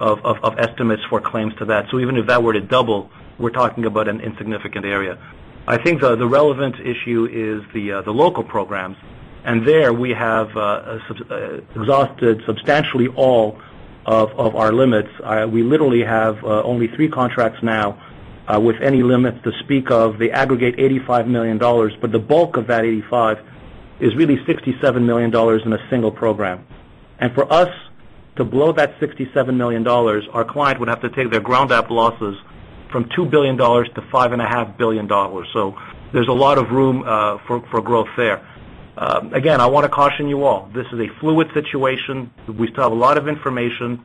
of estimates for claims to that. Even if that were to double, we're talking about an insignificant area. I think the relevant issue is the local programs, there we have exhausted substantially all of our limits. We literally have only three contracts now with any limits to speak of. They aggregate $85 million, but the bulk of that 85 is really $67 million in a single program. For us to blow that $67 million, our client would have to take their ground up losses from $2 billion to $5.5 billion. There's a lot of room for growth there. Again, I want to caution you all. This is a fluid situation. We still have a lot of information.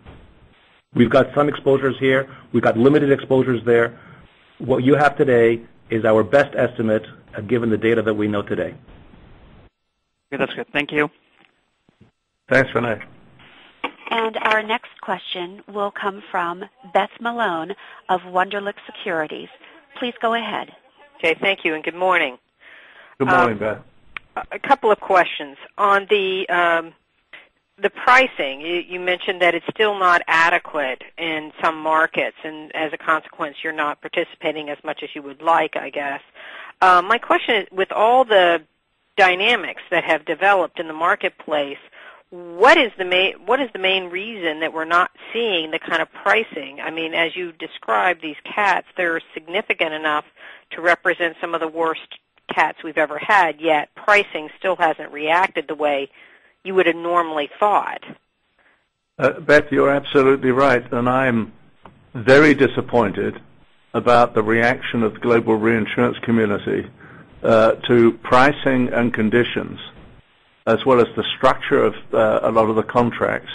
We've got some exposures here. We've got limited exposures there. What you have today is our best estimate given the data that we know today. Okay, that's good. Thank you. Thanks, Vinay. Our next question will come from Beth Malone of Wunderlich Securities. Please go ahead. Okay, thank you and good morning. Good morning, Beth. A couple of questions. On the pricing, you mentioned that it's still not adequate in some markets, and as a consequence, you're not participating as much as you would like, I guess. My question is, with all the dynamics that have developed in the marketplace, what is the main reason that we're not seeing the kind of pricing? As you described these cats, they're significant enough to represent some of the worst cats we've ever had, yet pricing still hasn't reacted the way you would have normally thought. Beth, you're absolutely right. I'm very disappointed about the reaction of the global reinsurance community to pricing and conditions as well as the structure of a lot of the contracts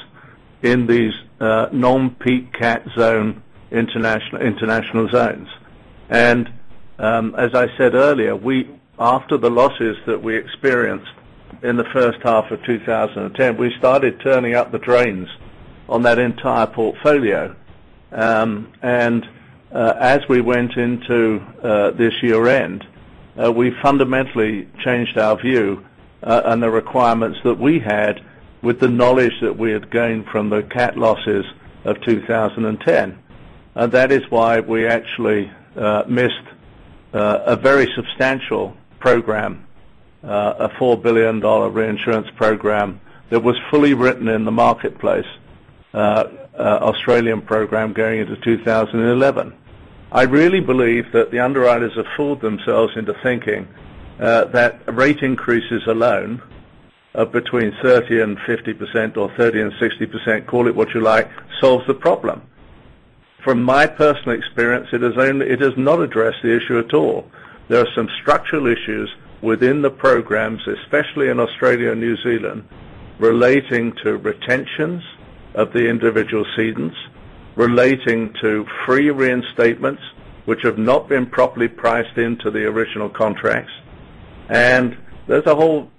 in these non-peak cat zone international zones. As I said earlier, after the losses that we experienced in the first half of 2010, we started turning up the drains on that entire portfolio. As we went into this year-end, we fundamentally changed our view and the requirements that we had with the knowledge that we had gained from the cat losses of 2010. That is why we actually missed a very substantial program, a $4 billion reinsurance program that was fully written in the marketplace, Australian program going into 2011. I really believe that the underwriters have fooled themselves into thinking that rate increases alone of between 30%-50% or 30%-60%, call it what you like, solves the problem. From my personal experience, it does not address the issue at all. There are some structural issues within the programs, especially in Australia and New Zealand, relating to retentions of the individual cedents, relating to free reinstatements, which have not been properly priced into the original contracts. There's a whole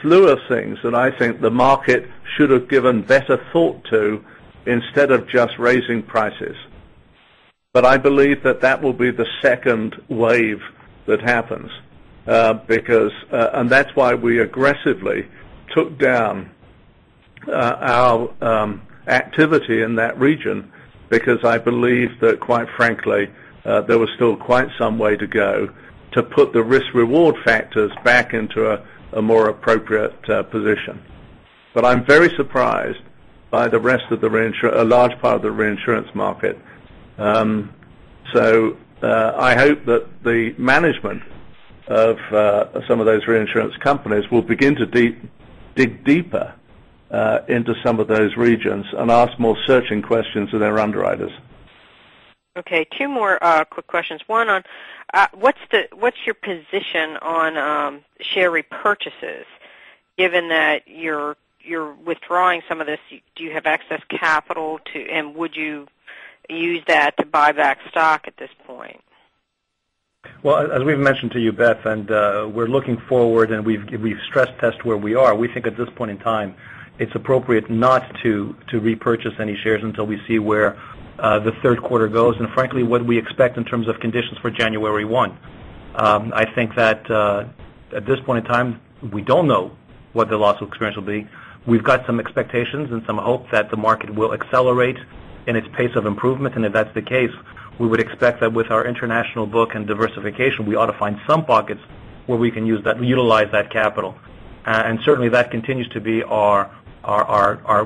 slew of things that I think the market should have given better thought to instead of just raising prices. I believe that that will be the second wave that happens. That's why we aggressively took down our activity in that region, because I believe that, quite frankly, there was still quite some way to go to put the risk-reward factors back into a more appropriate position. I'm very surprised by a large part of the reinsurance market. I hope that the management of some of those reinsurance companies will begin to dig deeper into some of those regions and ask more searching questions of their underwriters. Okay, two more quick questions. One on what's your position on share repurchases, given that you're withdrawing some of this? Do you have excess capital and would you use that to buy back stock at this point? Well, as we've mentioned to you, Beth, we're looking forward and we've stress-tested where we are. We think at this point in time, it's appropriate not to repurchase any shares until we see where the third quarter goes frankly, what we expect in terms of conditions for January 1. I think that at this point in time, we don't know what the loss experience will be. We've got some expectations and some hope that the market will accelerate in its pace of improvement. If that's the case, we would expect that with our international book and diversification, we ought to find some pockets where we can utilize that capital. Certainly, that continues to be our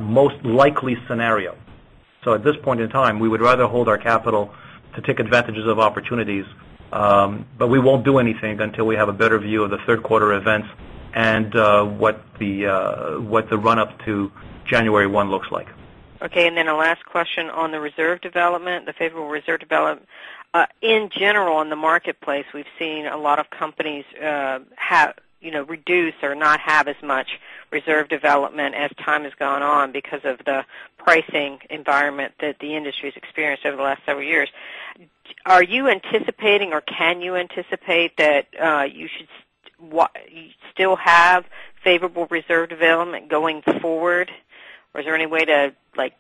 most likely scenario. At this point in time, we would rather hold our capital to take advantages of opportunities, we won't do anything until we have a better view of the third quarter events and what the run-up to January 1 looks like. Okay, a last question on the reserve development, the favorable reserve development. In general, in the marketplace, we've seen a lot of companies reduce or not have as much reserve development as time has gone on because of the pricing environment that the industry's experienced over the last several years. Are you anticipating or can you anticipate that you should still have favorable reserve development going forward? Is there any way to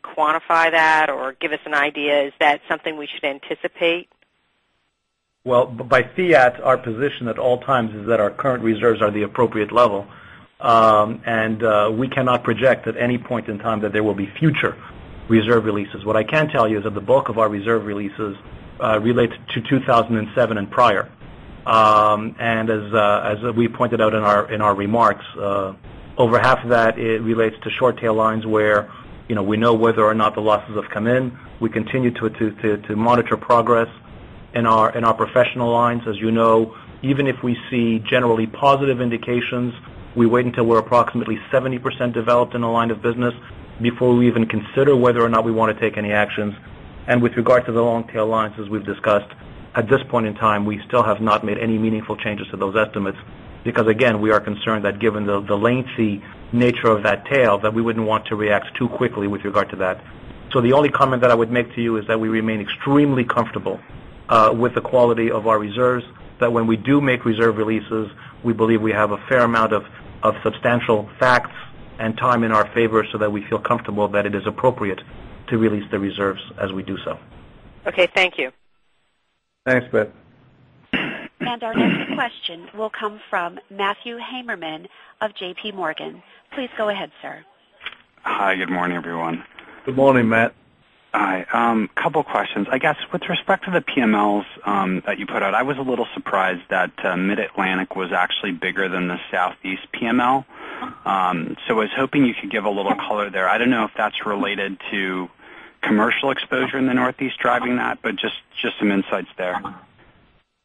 quantify that or give us an idea? Is that something we should anticipate? Well, by fiat, our position at all times is that our current reserves are the appropriate level. We cannot project at any point in time that there will be future reserve releases. What I can tell you is that the bulk of our reserve releases relate to 2007 and prior. As we pointed out in our remarks, over half of that relates to short-tail lines where we know whether or not the losses have come in. We continue to monitor progress in our professional lines. As you know, even if we see generally positive indications, we wait until we're approximately 70% developed in a line of business before we even consider whether or not we want to take any actions. With regard to the long-tail lines, as we've discussed, at this point in time, we still have not made any meaningful changes to those estimates because, again, we are concerned that given the lengthy nature of that tail, that we wouldn't want to react too quickly with regard to that. The only comment that I would make to you is that we remain extremely comfortable with the quality of our reserves, that when we do make reserve releases, we believe we have a fair amount of substantial facts and time in our favor so that we feel comfortable that it is appropriate to release the reserves as we do so. Okay, thank you. Thanks, Beth. Our next question will come from Matthew Heimermann of J.P. Morgan. Please go ahead, sir. Hi, good morning, everyone. Good morning, Matt. Hi. Couple questions. I guess with respect to the PMLs that you put out, I was a little surprised that Mid-Atlantic was actually bigger than the Southeast PML. I was hoping you could give a little color there. I don't know if that's related to commercial exposure in the Northeast driving that, but just some insights there.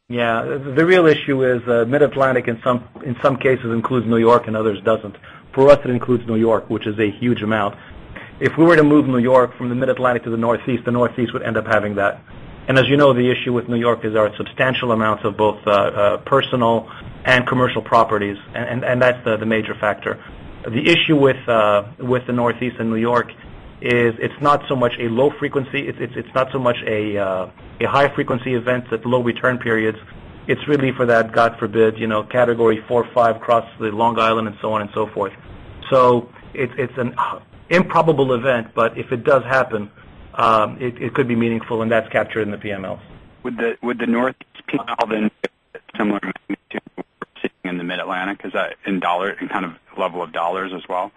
Yeah. The real issue is Mid-Atlantic in some cases includes New York and others doesn't. For us, it includes New York, which is a huge amount. If we were to move New York from the Mid-Atlantic to the Northeast, the Northeast would end up having that. As you know, the issue with New York is our substantial amounts of both personal and commercial properties, and that's the major factor. The issue with the Northeast and New York is it's not so much a high-frequency event with low return periods. It's really for that, God forbid, category 4, 5 across the Long Island and so on and so forth. It's an improbable event, but if it does happen, it could be meaningful, and that's captured in the PMLs. Would the Northeast PML then be similar in the Mid-Atlantic? Is that in kind of level of dollars as well?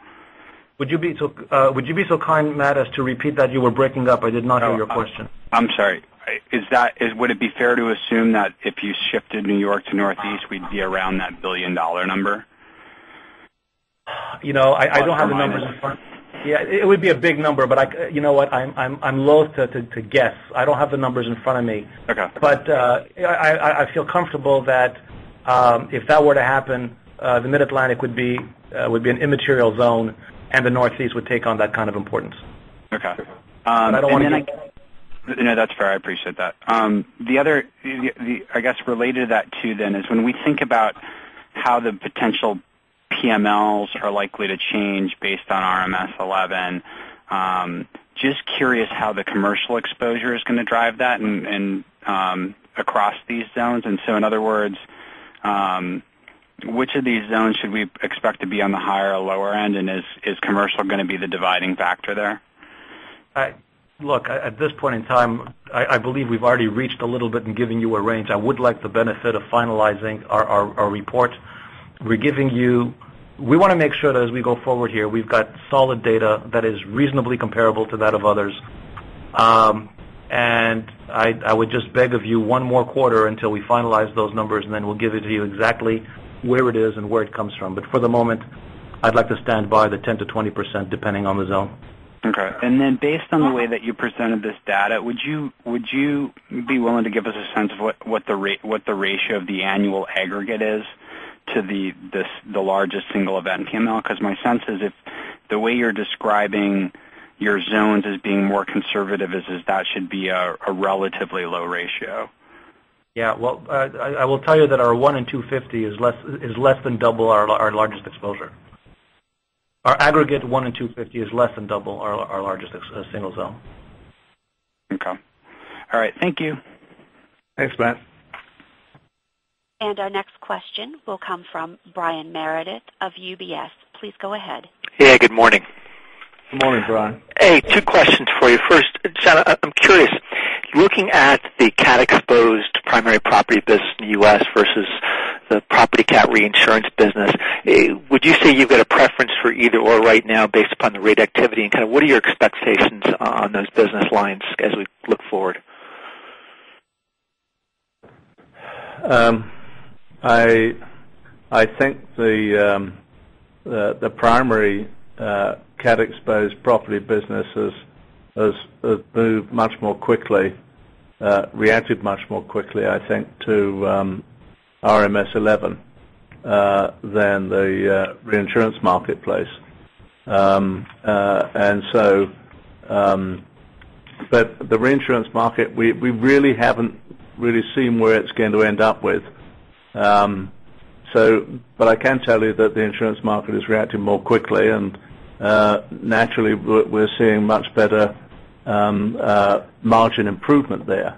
Would you be so kind, Matt, as to repeat that? You were breaking up. I did not hear your question. I'm sorry. Would it be fair to assume that if you shifted New York to Northeast, we'd be around that billion-dollar number? I don't have the numbers in front. It would be a big number, you know what? I'm loath to guess. I don't have the numbers in front of me. Okay. I feel comfortable that if that were to happen, the Mid-Atlantic would be an immaterial zone, and the Northeast would take on that kind of importance. Okay. I don't want to- That's fair. I appreciate that. I guess related to that too then is when we think about how the potential PMLs are likely to change based on RMS 11, just curious how the commercial exposure is going to drive that and across these zones. In other words, which of these zones should we expect to be on the higher or lower end? Is commercial going to be the dividing factor there? At this point in time, I believe we've already reached a little bit in giving you a range. I would like the benefit of finalizing our report. We want to make sure that as we go forward here, we've got solid data that is reasonably comparable to that of others. I would just beg of you one more quarter until we finalize those numbers, and then we'll give it to you exactly where it is and where it comes from. For the moment, I'd like to stand by the 10%-20%, depending on the zone. Okay. Based on the way that you presented this data, would you be willing to give us a sense of what the ratio of the annual aggregate is to the largest single event PML? Because my sense is if the way you're describing your zones as being more conservative is that should be a relatively low ratio. I will tell you that our 1 in 250 is less than double our largest exposure. Our aggregate 1 in 250 is less than double our largest single zone. Okay. All right. Thank you. Thanks, Matt. Our next question will come from Brian Meredith of UBS. Please go ahead. Hey, good morning. Good morning, Brian. Hey, two questions for you. First, John, I'm curious, looking at the cat exposed primary property business in the U.S. versus the property cat reinsurance business, would you say you've got a preference for either/or right now based upon the rate activity? Kind of what are your expectations on those business lines as we look forward? I think the primary cat-exposed property business has moved much more quickly, reacted much more quickly, I think, to RMS 11 than the reinsurance marketplace. The reinsurance market, we haven't really seen where it's going to end up with. I can tell you that the insurance market is reacting more quickly. Naturally, we're seeing much better margin improvement there.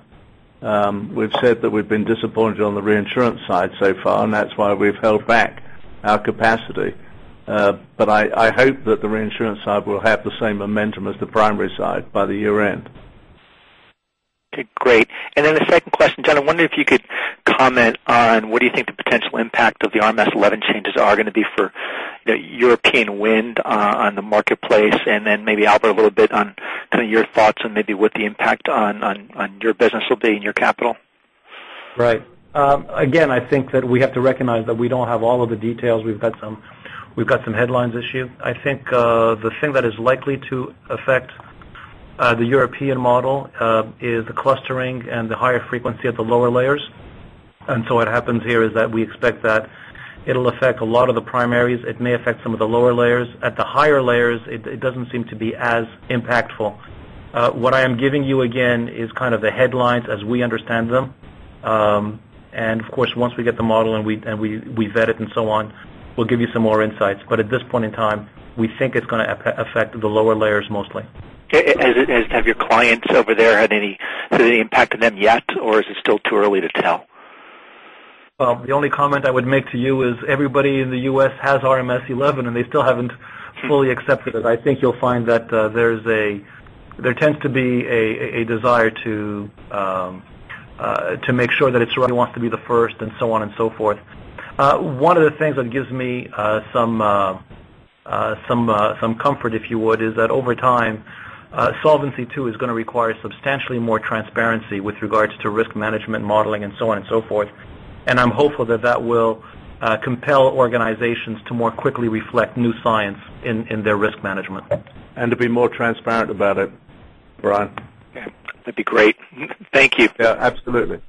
We've said that we've been disappointed on the reinsurance side so far. That's why we've held back our capacity. I hope that the reinsurance side will have the same momentum as the primary side by the year-end. Okay, great. The second question, John, I wonder if you could comment on what do you think the potential impact of the RMS 11 changes are going to be for European wind on the marketplace? Maybe Albert, a little bit on kind of your thoughts and maybe what the impact on your business will be and your capital. Right. Again, I think that we have to recognize that we don't have all of the details. We've got some headlines issued. I think the thing that is likely to affect the European model is the clustering and the higher frequency at the lower layers. What happens here is that we expect that it'll affect a lot of the primaries. It may affect some of the lower layers. At the higher layers, it doesn't seem to be as impactful. What I am giving you again is kind of the headlines as we understand them. Of course, once we get the model and we vet it and so on, we'll give you some more insights. At this point in time, we think it's going to affect the lower layers mostly. Okay. Have your clients over there had any impact on them yet, or is it still too early to tell? Well, the only comment I would make to you is everybody in the U.S. has RMS 11, and they still haven't fully accepted it. I think you'll find that there tends to be a desire to make sure that it's right, who wants to be the first, and so on and so forth. One of the things that gives me some comfort, if you would, is that over time, Solvency II is going to require substantially more transparency with regards to risk management, modeling, and so on and so forth. I'm hopeful that that will compel organizations to more quickly reflect new science in their risk management. To be more transparent about it, Brian. Yeah, that'd be great. Thank you. Yeah, absolutely.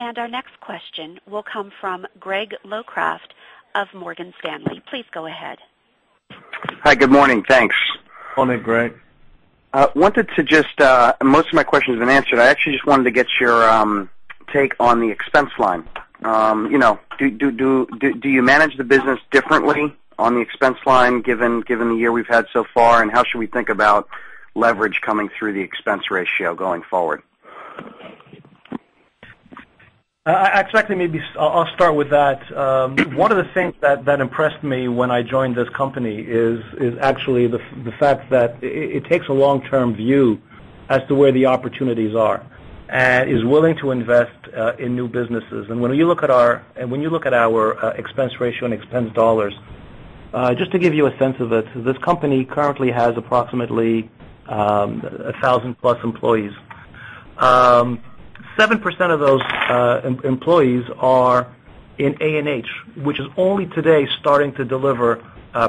Our next question will come from Greg Locraft of Morgan Stanley. Please go ahead. Hi, good morning. Thanks. Morning, Greg. Most of my question has been answered. I actually just wanted to get your take on the expense line. Do you manage the business differently on the expense line given the year we've had so far, and how should we think about leverage coming through the expense ratio going forward? Actually, maybe I'll start with that. One of the things that impressed me when I joined this company is actually the fact that it takes a long-term view as to where the opportunities are, and is willing to invest in new businesses. When you look at our expense ratio and expense dollars, just to give you a sense of it, this company currently has approximately 1,000 plus employees. 7% of those employees are in A&H, which is only today starting to deliver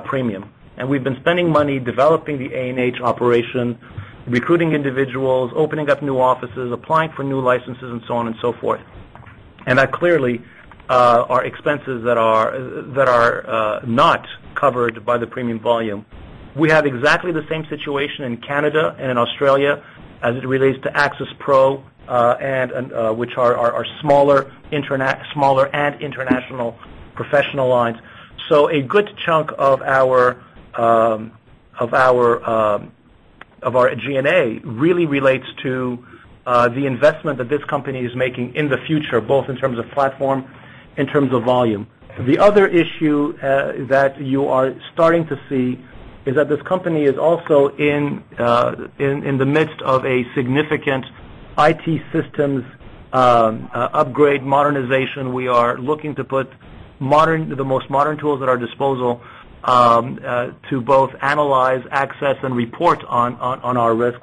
premium. We've been spending money developing the A&H operation, recruiting individuals, opening up new offices, applying for new licenses, and so on and so forth. That clearly are expenses that are not covered by the premium volume. We have exactly the same situation in Canada and in Australia as it relates to AXIS PRO which are our smaller and international professional lines. A good chunk of our G&A really relates to the investment that this company is making in the future, both in terms of platform, in terms of volume. The other issue that you are starting to see is that this company is also in the midst of a significant IT systems upgrade modernization. We are looking to put the most modern tools at our disposal to both analyze, access, and report on our risks.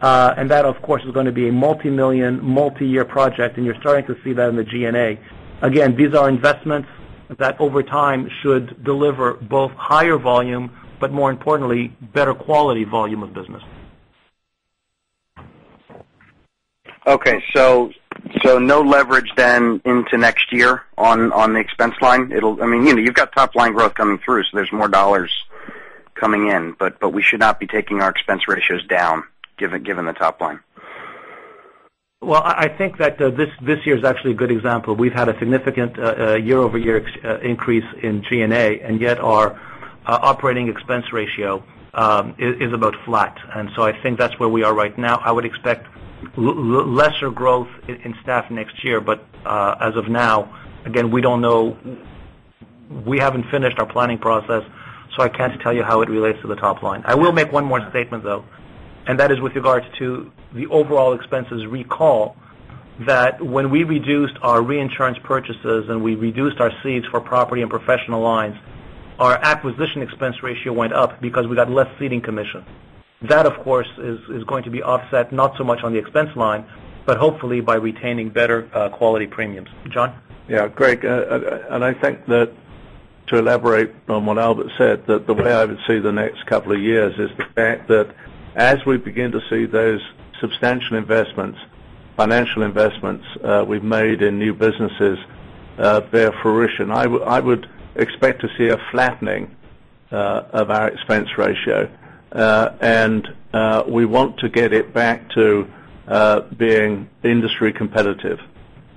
That, of course, is going to be a multimillion, multi-year project, and you're starting to see that in the G&A. Again, these are investments that over time should deliver both higher volume, but more importantly, better quality volume of business. Okay. No leverage then into next year on the expense line? You've got top-line growth coming through, there's more dollars coming in, but we should not be taking our expense ratios down given the top line. Well, I think that this year is actually a good example. We've had a significant year-over-year increase in G&A, and yet our operating expense ratio is about flat. I think that's where we are right now. I would expect lesser growth in staff next year. As of now, again, we haven't finished our planning process, so I can't tell you how it relates to the top line. I will make one more statement, though. That is with regards to the overall expenses recall that when we reduced our reinsurance purchases and we reduced our cedes for property and professional lines, our acquisition expense ratio went up because we got less ceding commission. That, of course, is going to be offset not so much on the expense line, but hopefully by retaining better quality premiums. John? Greg, I think that to elaborate on what Albert said, the way I would see the next couple of years is the fact that as we begin to see those substantial financial investments we've made in new businesses bear fruition, I would expect to see a flattening of our expense ratio. We want to get it back to being industry competitive.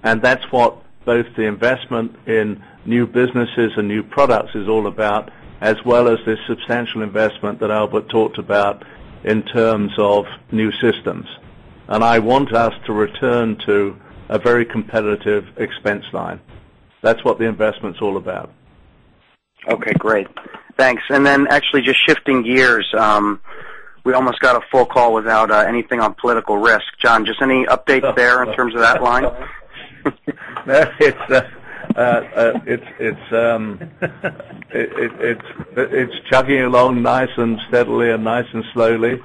That's what both the investment in new businesses and new products is all about, as well as this substantial investment that Albert talked about in terms of new systems. I want us to return to a very competitive expense line. That's what the investment's all about. Okay, great. Thanks. Then actually just shifting gears, we almost got a full call without anything on political risk. John, just any updates there in terms of that line? It's chugging along nice and steadily and nice and slowly.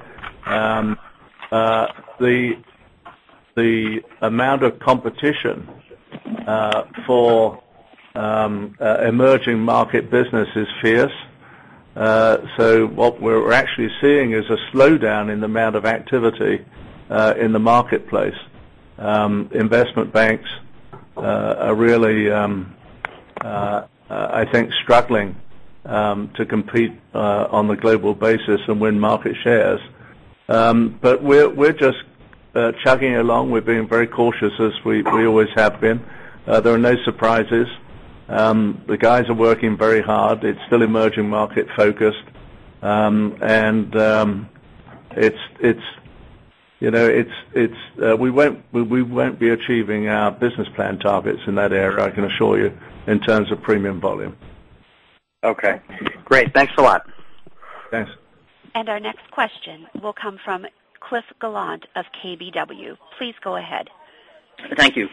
The amount of competition for emerging market business is fierce. What we're actually seeing is a slowdown in the amount of activity in the marketplace. Investment banks are really, I think, struggling to compete on the global basis and win market shares. We're just chugging along. We're being very cautious as we always have been. There are no surprises. The guys are working very hard. It's still emerging market focused. We won't be achieving our business plan targets in that area, I can assure you, in terms of premium volume. Okay, great. Thanks a lot. Thanks. Our next question will come from Cliff Gallant of KBW. Please go ahead. Thank you.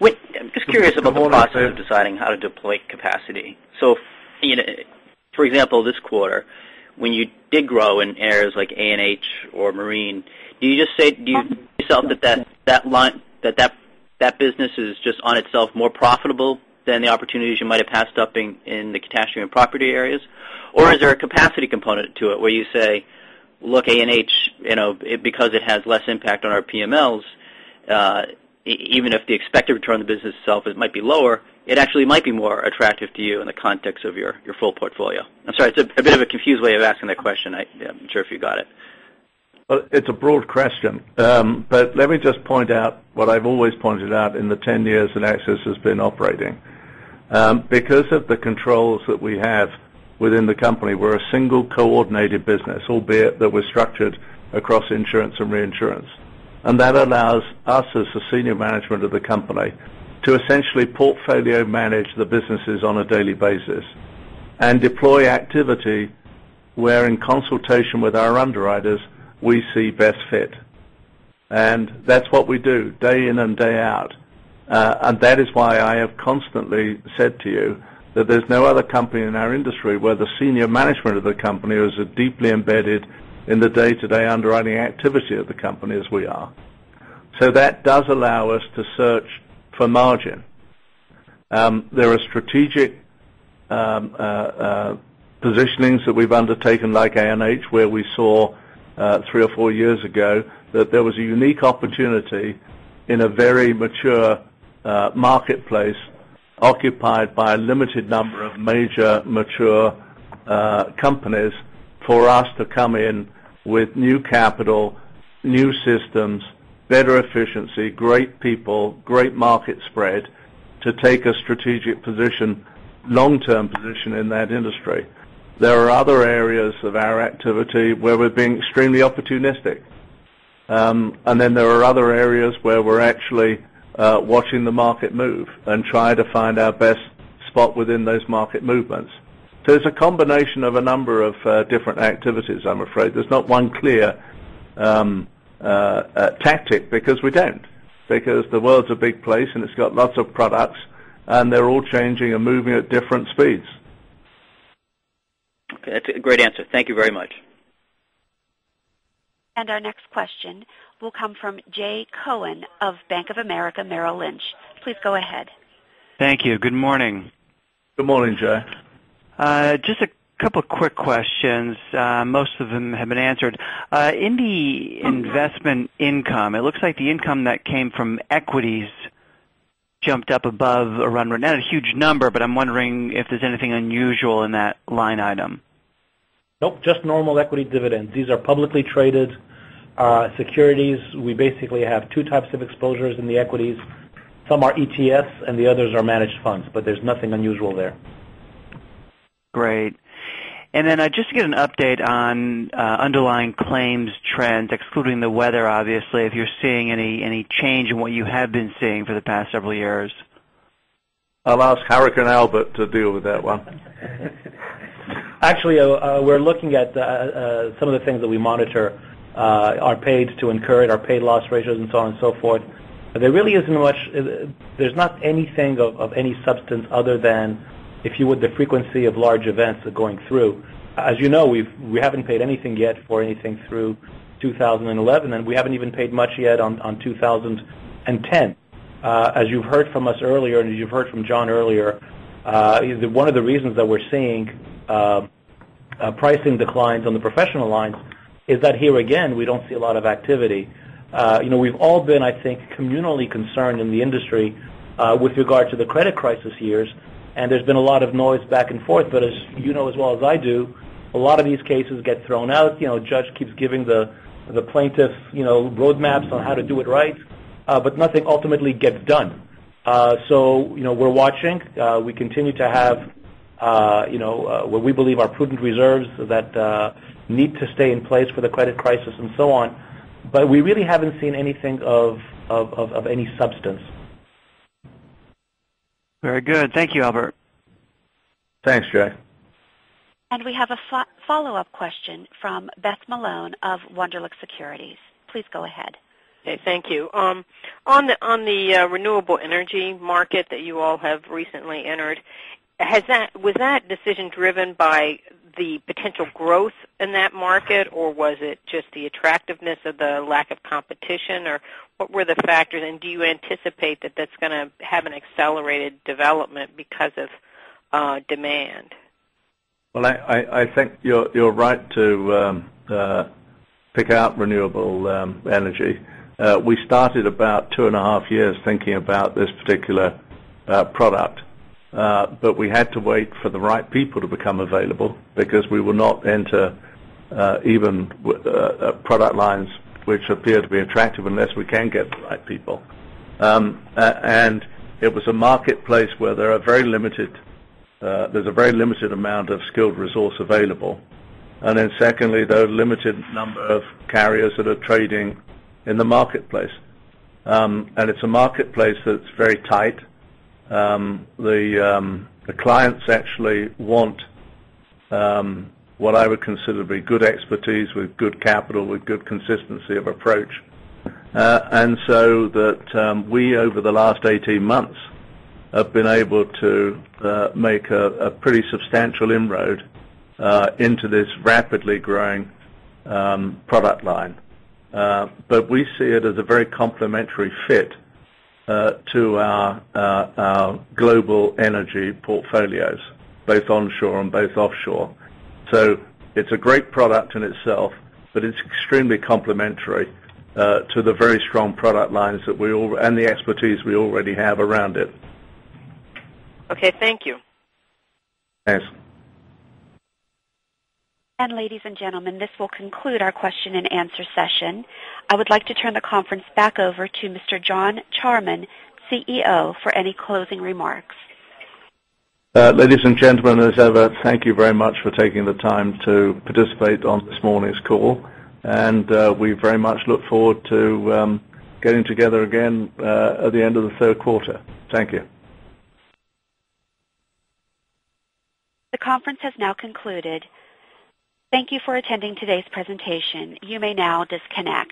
I'm just curious about the process of deciding how to deploy capacity. For example, this quarter, when you did grow in areas like A&H or marine, do you just say to yourself that business is just on itself more profitable than the opportunities you might have passed up in the catastrophe and property areas? Or is there a capacity component to it where you say, look A&H because it has less impact on our PMLs even if the expected return of the business itself it might be lower, it actually might be more attractive to you in the context of your full portfolio? I'm sorry, it's a bit of a confused way of asking that question. I'm not sure if you got it. It's a broad question. Let me just point out what I've always pointed out in the 10 years that AXIS has been operating. Because of the controls that we have within the company, we're a single coordinated business, albeit that we're structured across insurance and reinsurance. That allows us as the senior management of the company to essentially portfolio manage the businesses on a daily basis and deploy activity where in consultation with our underwriters, we see best fit. That's what we do day in and day out. That is why I have constantly said to you that there's no other company in our industry where the senior management of the company is as deeply embedded in the day-to-day underwriting activity of the company as we are. That does allow us to search for margin. There are strategic positionings that we've undertaken, like A&H, where we saw three or four years ago that there was a unique opportunity in a very mature marketplace occupied by a limited number of major mature companies for us to come in with new capital, new systems, better efficiency, great people, great market spread to take a strategic long-term position in that industry. There are other areas of our activity where we're being extremely opportunistic. Then there are other areas where we're actually watching the market move and try to find our best spot within those market movements. It's a combination of a number of different activities, I'm afraid. There's not one clear tactic because we don't, because the world's a big place and it's got lots of products, and they're all changing and moving at different speeds. Okay. That's a great answer. Thank you very much. Our next question will come from Jay Cohen of Bank of America Merrill Lynch. Please go ahead. Thank you. Good morning. Good morning, Jay. Just a couple quick questions. Most of them have been answered. In the investment income, it looks like the income that came from equities jumped up above a run rate. Not a huge number, but I am wondering if there is anything unusual in that line item. Nope, just normal equity dividends. These are publicly traded securities. We basically have two types of exposures in the equities. Some are ETFs and the others are managed funds, but there is nothing unusual there. Great. Just to get an update on underlying claims trends, excluding the weather obviously, if you are seeing any change in what you have been seeing for the past several years. I will ask Herick and Albert to deal with that one. Actually, we're looking at some of the things that we monitor are paid to incurred, our paid loss ratios and so on and so forth. There's not anything of any substance other than, if you would, the frequency of large events going through. As you know, we haven't paid anything yet for anything through 2011, and we haven't even paid much yet on 2010. As you've heard from us earlier, and as you've heard from John earlier, one of the reasons that we're seeing pricing declines on the professional lines is that here again, we don't see a lot of activity. We've all been, I think, communally concerned in the industry with regard to the credit crisis years, and there's been a lot of noise back and forth. As you know as well as I do, a lot of these cases get thrown out. A judge keeps giving the plaintiff roadmaps on how to do it right, but nothing ultimately gets done. We're watching. We continue to have what we believe are prudent reserves that need to stay in place for the credit crisis and so on. We really haven't seen anything of any substance. Very good. Thank you, Albert. Thanks, Jay. We have a follow-up question from Beth Malone of Wunderlich Securities. Please go ahead. Okay, thank you. On the renewable energy market that you all have recently entered, was that decision driven by the potential growth in that market, or was it just the attractiveness of the lack of competition, or what were the factors, and do you anticipate that that's going to have an accelerated development because of demand? Well, I think you're right to pick out renewable energy. We started about two and a half years thinking about this particular product. We had to wait for the right people to become available because we will not enter even product lines which appear to be attractive unless we can get the right people. It was a marketplace where there's a very limited amount of skilled resource available. Secondly, there are a limited number of carriers that are trading in the marketplace. It's a marketplace that's very tight. The clients actually want what I would consider to be good expertise with good capital, with good consistency of approach. So that we, over the last 18 months, have been able to make a pretty substantial inroad into this rapidly growing product line. We see it as a very complementary fit to our global energy portfolios, both onshore and both offshore. It's a great product in itself, but it's extremely complementary to the very strong product lines and the expertise we already have around it. Okay, thank you. Thanks. Ladies and gentlemen, this will conclude our question and answer session. I would like to turn the conference back over to Mr. John Charman, CEO, for any closing remarks. Ladies and gentlemen, as ever, thank you very much for taking the time to participate on this morning's call, and we very much look forward to getting together again at the end of the third quarter. Thank you. The conference has now concluded. Thank you for attending today's presentation. You may now disconnect.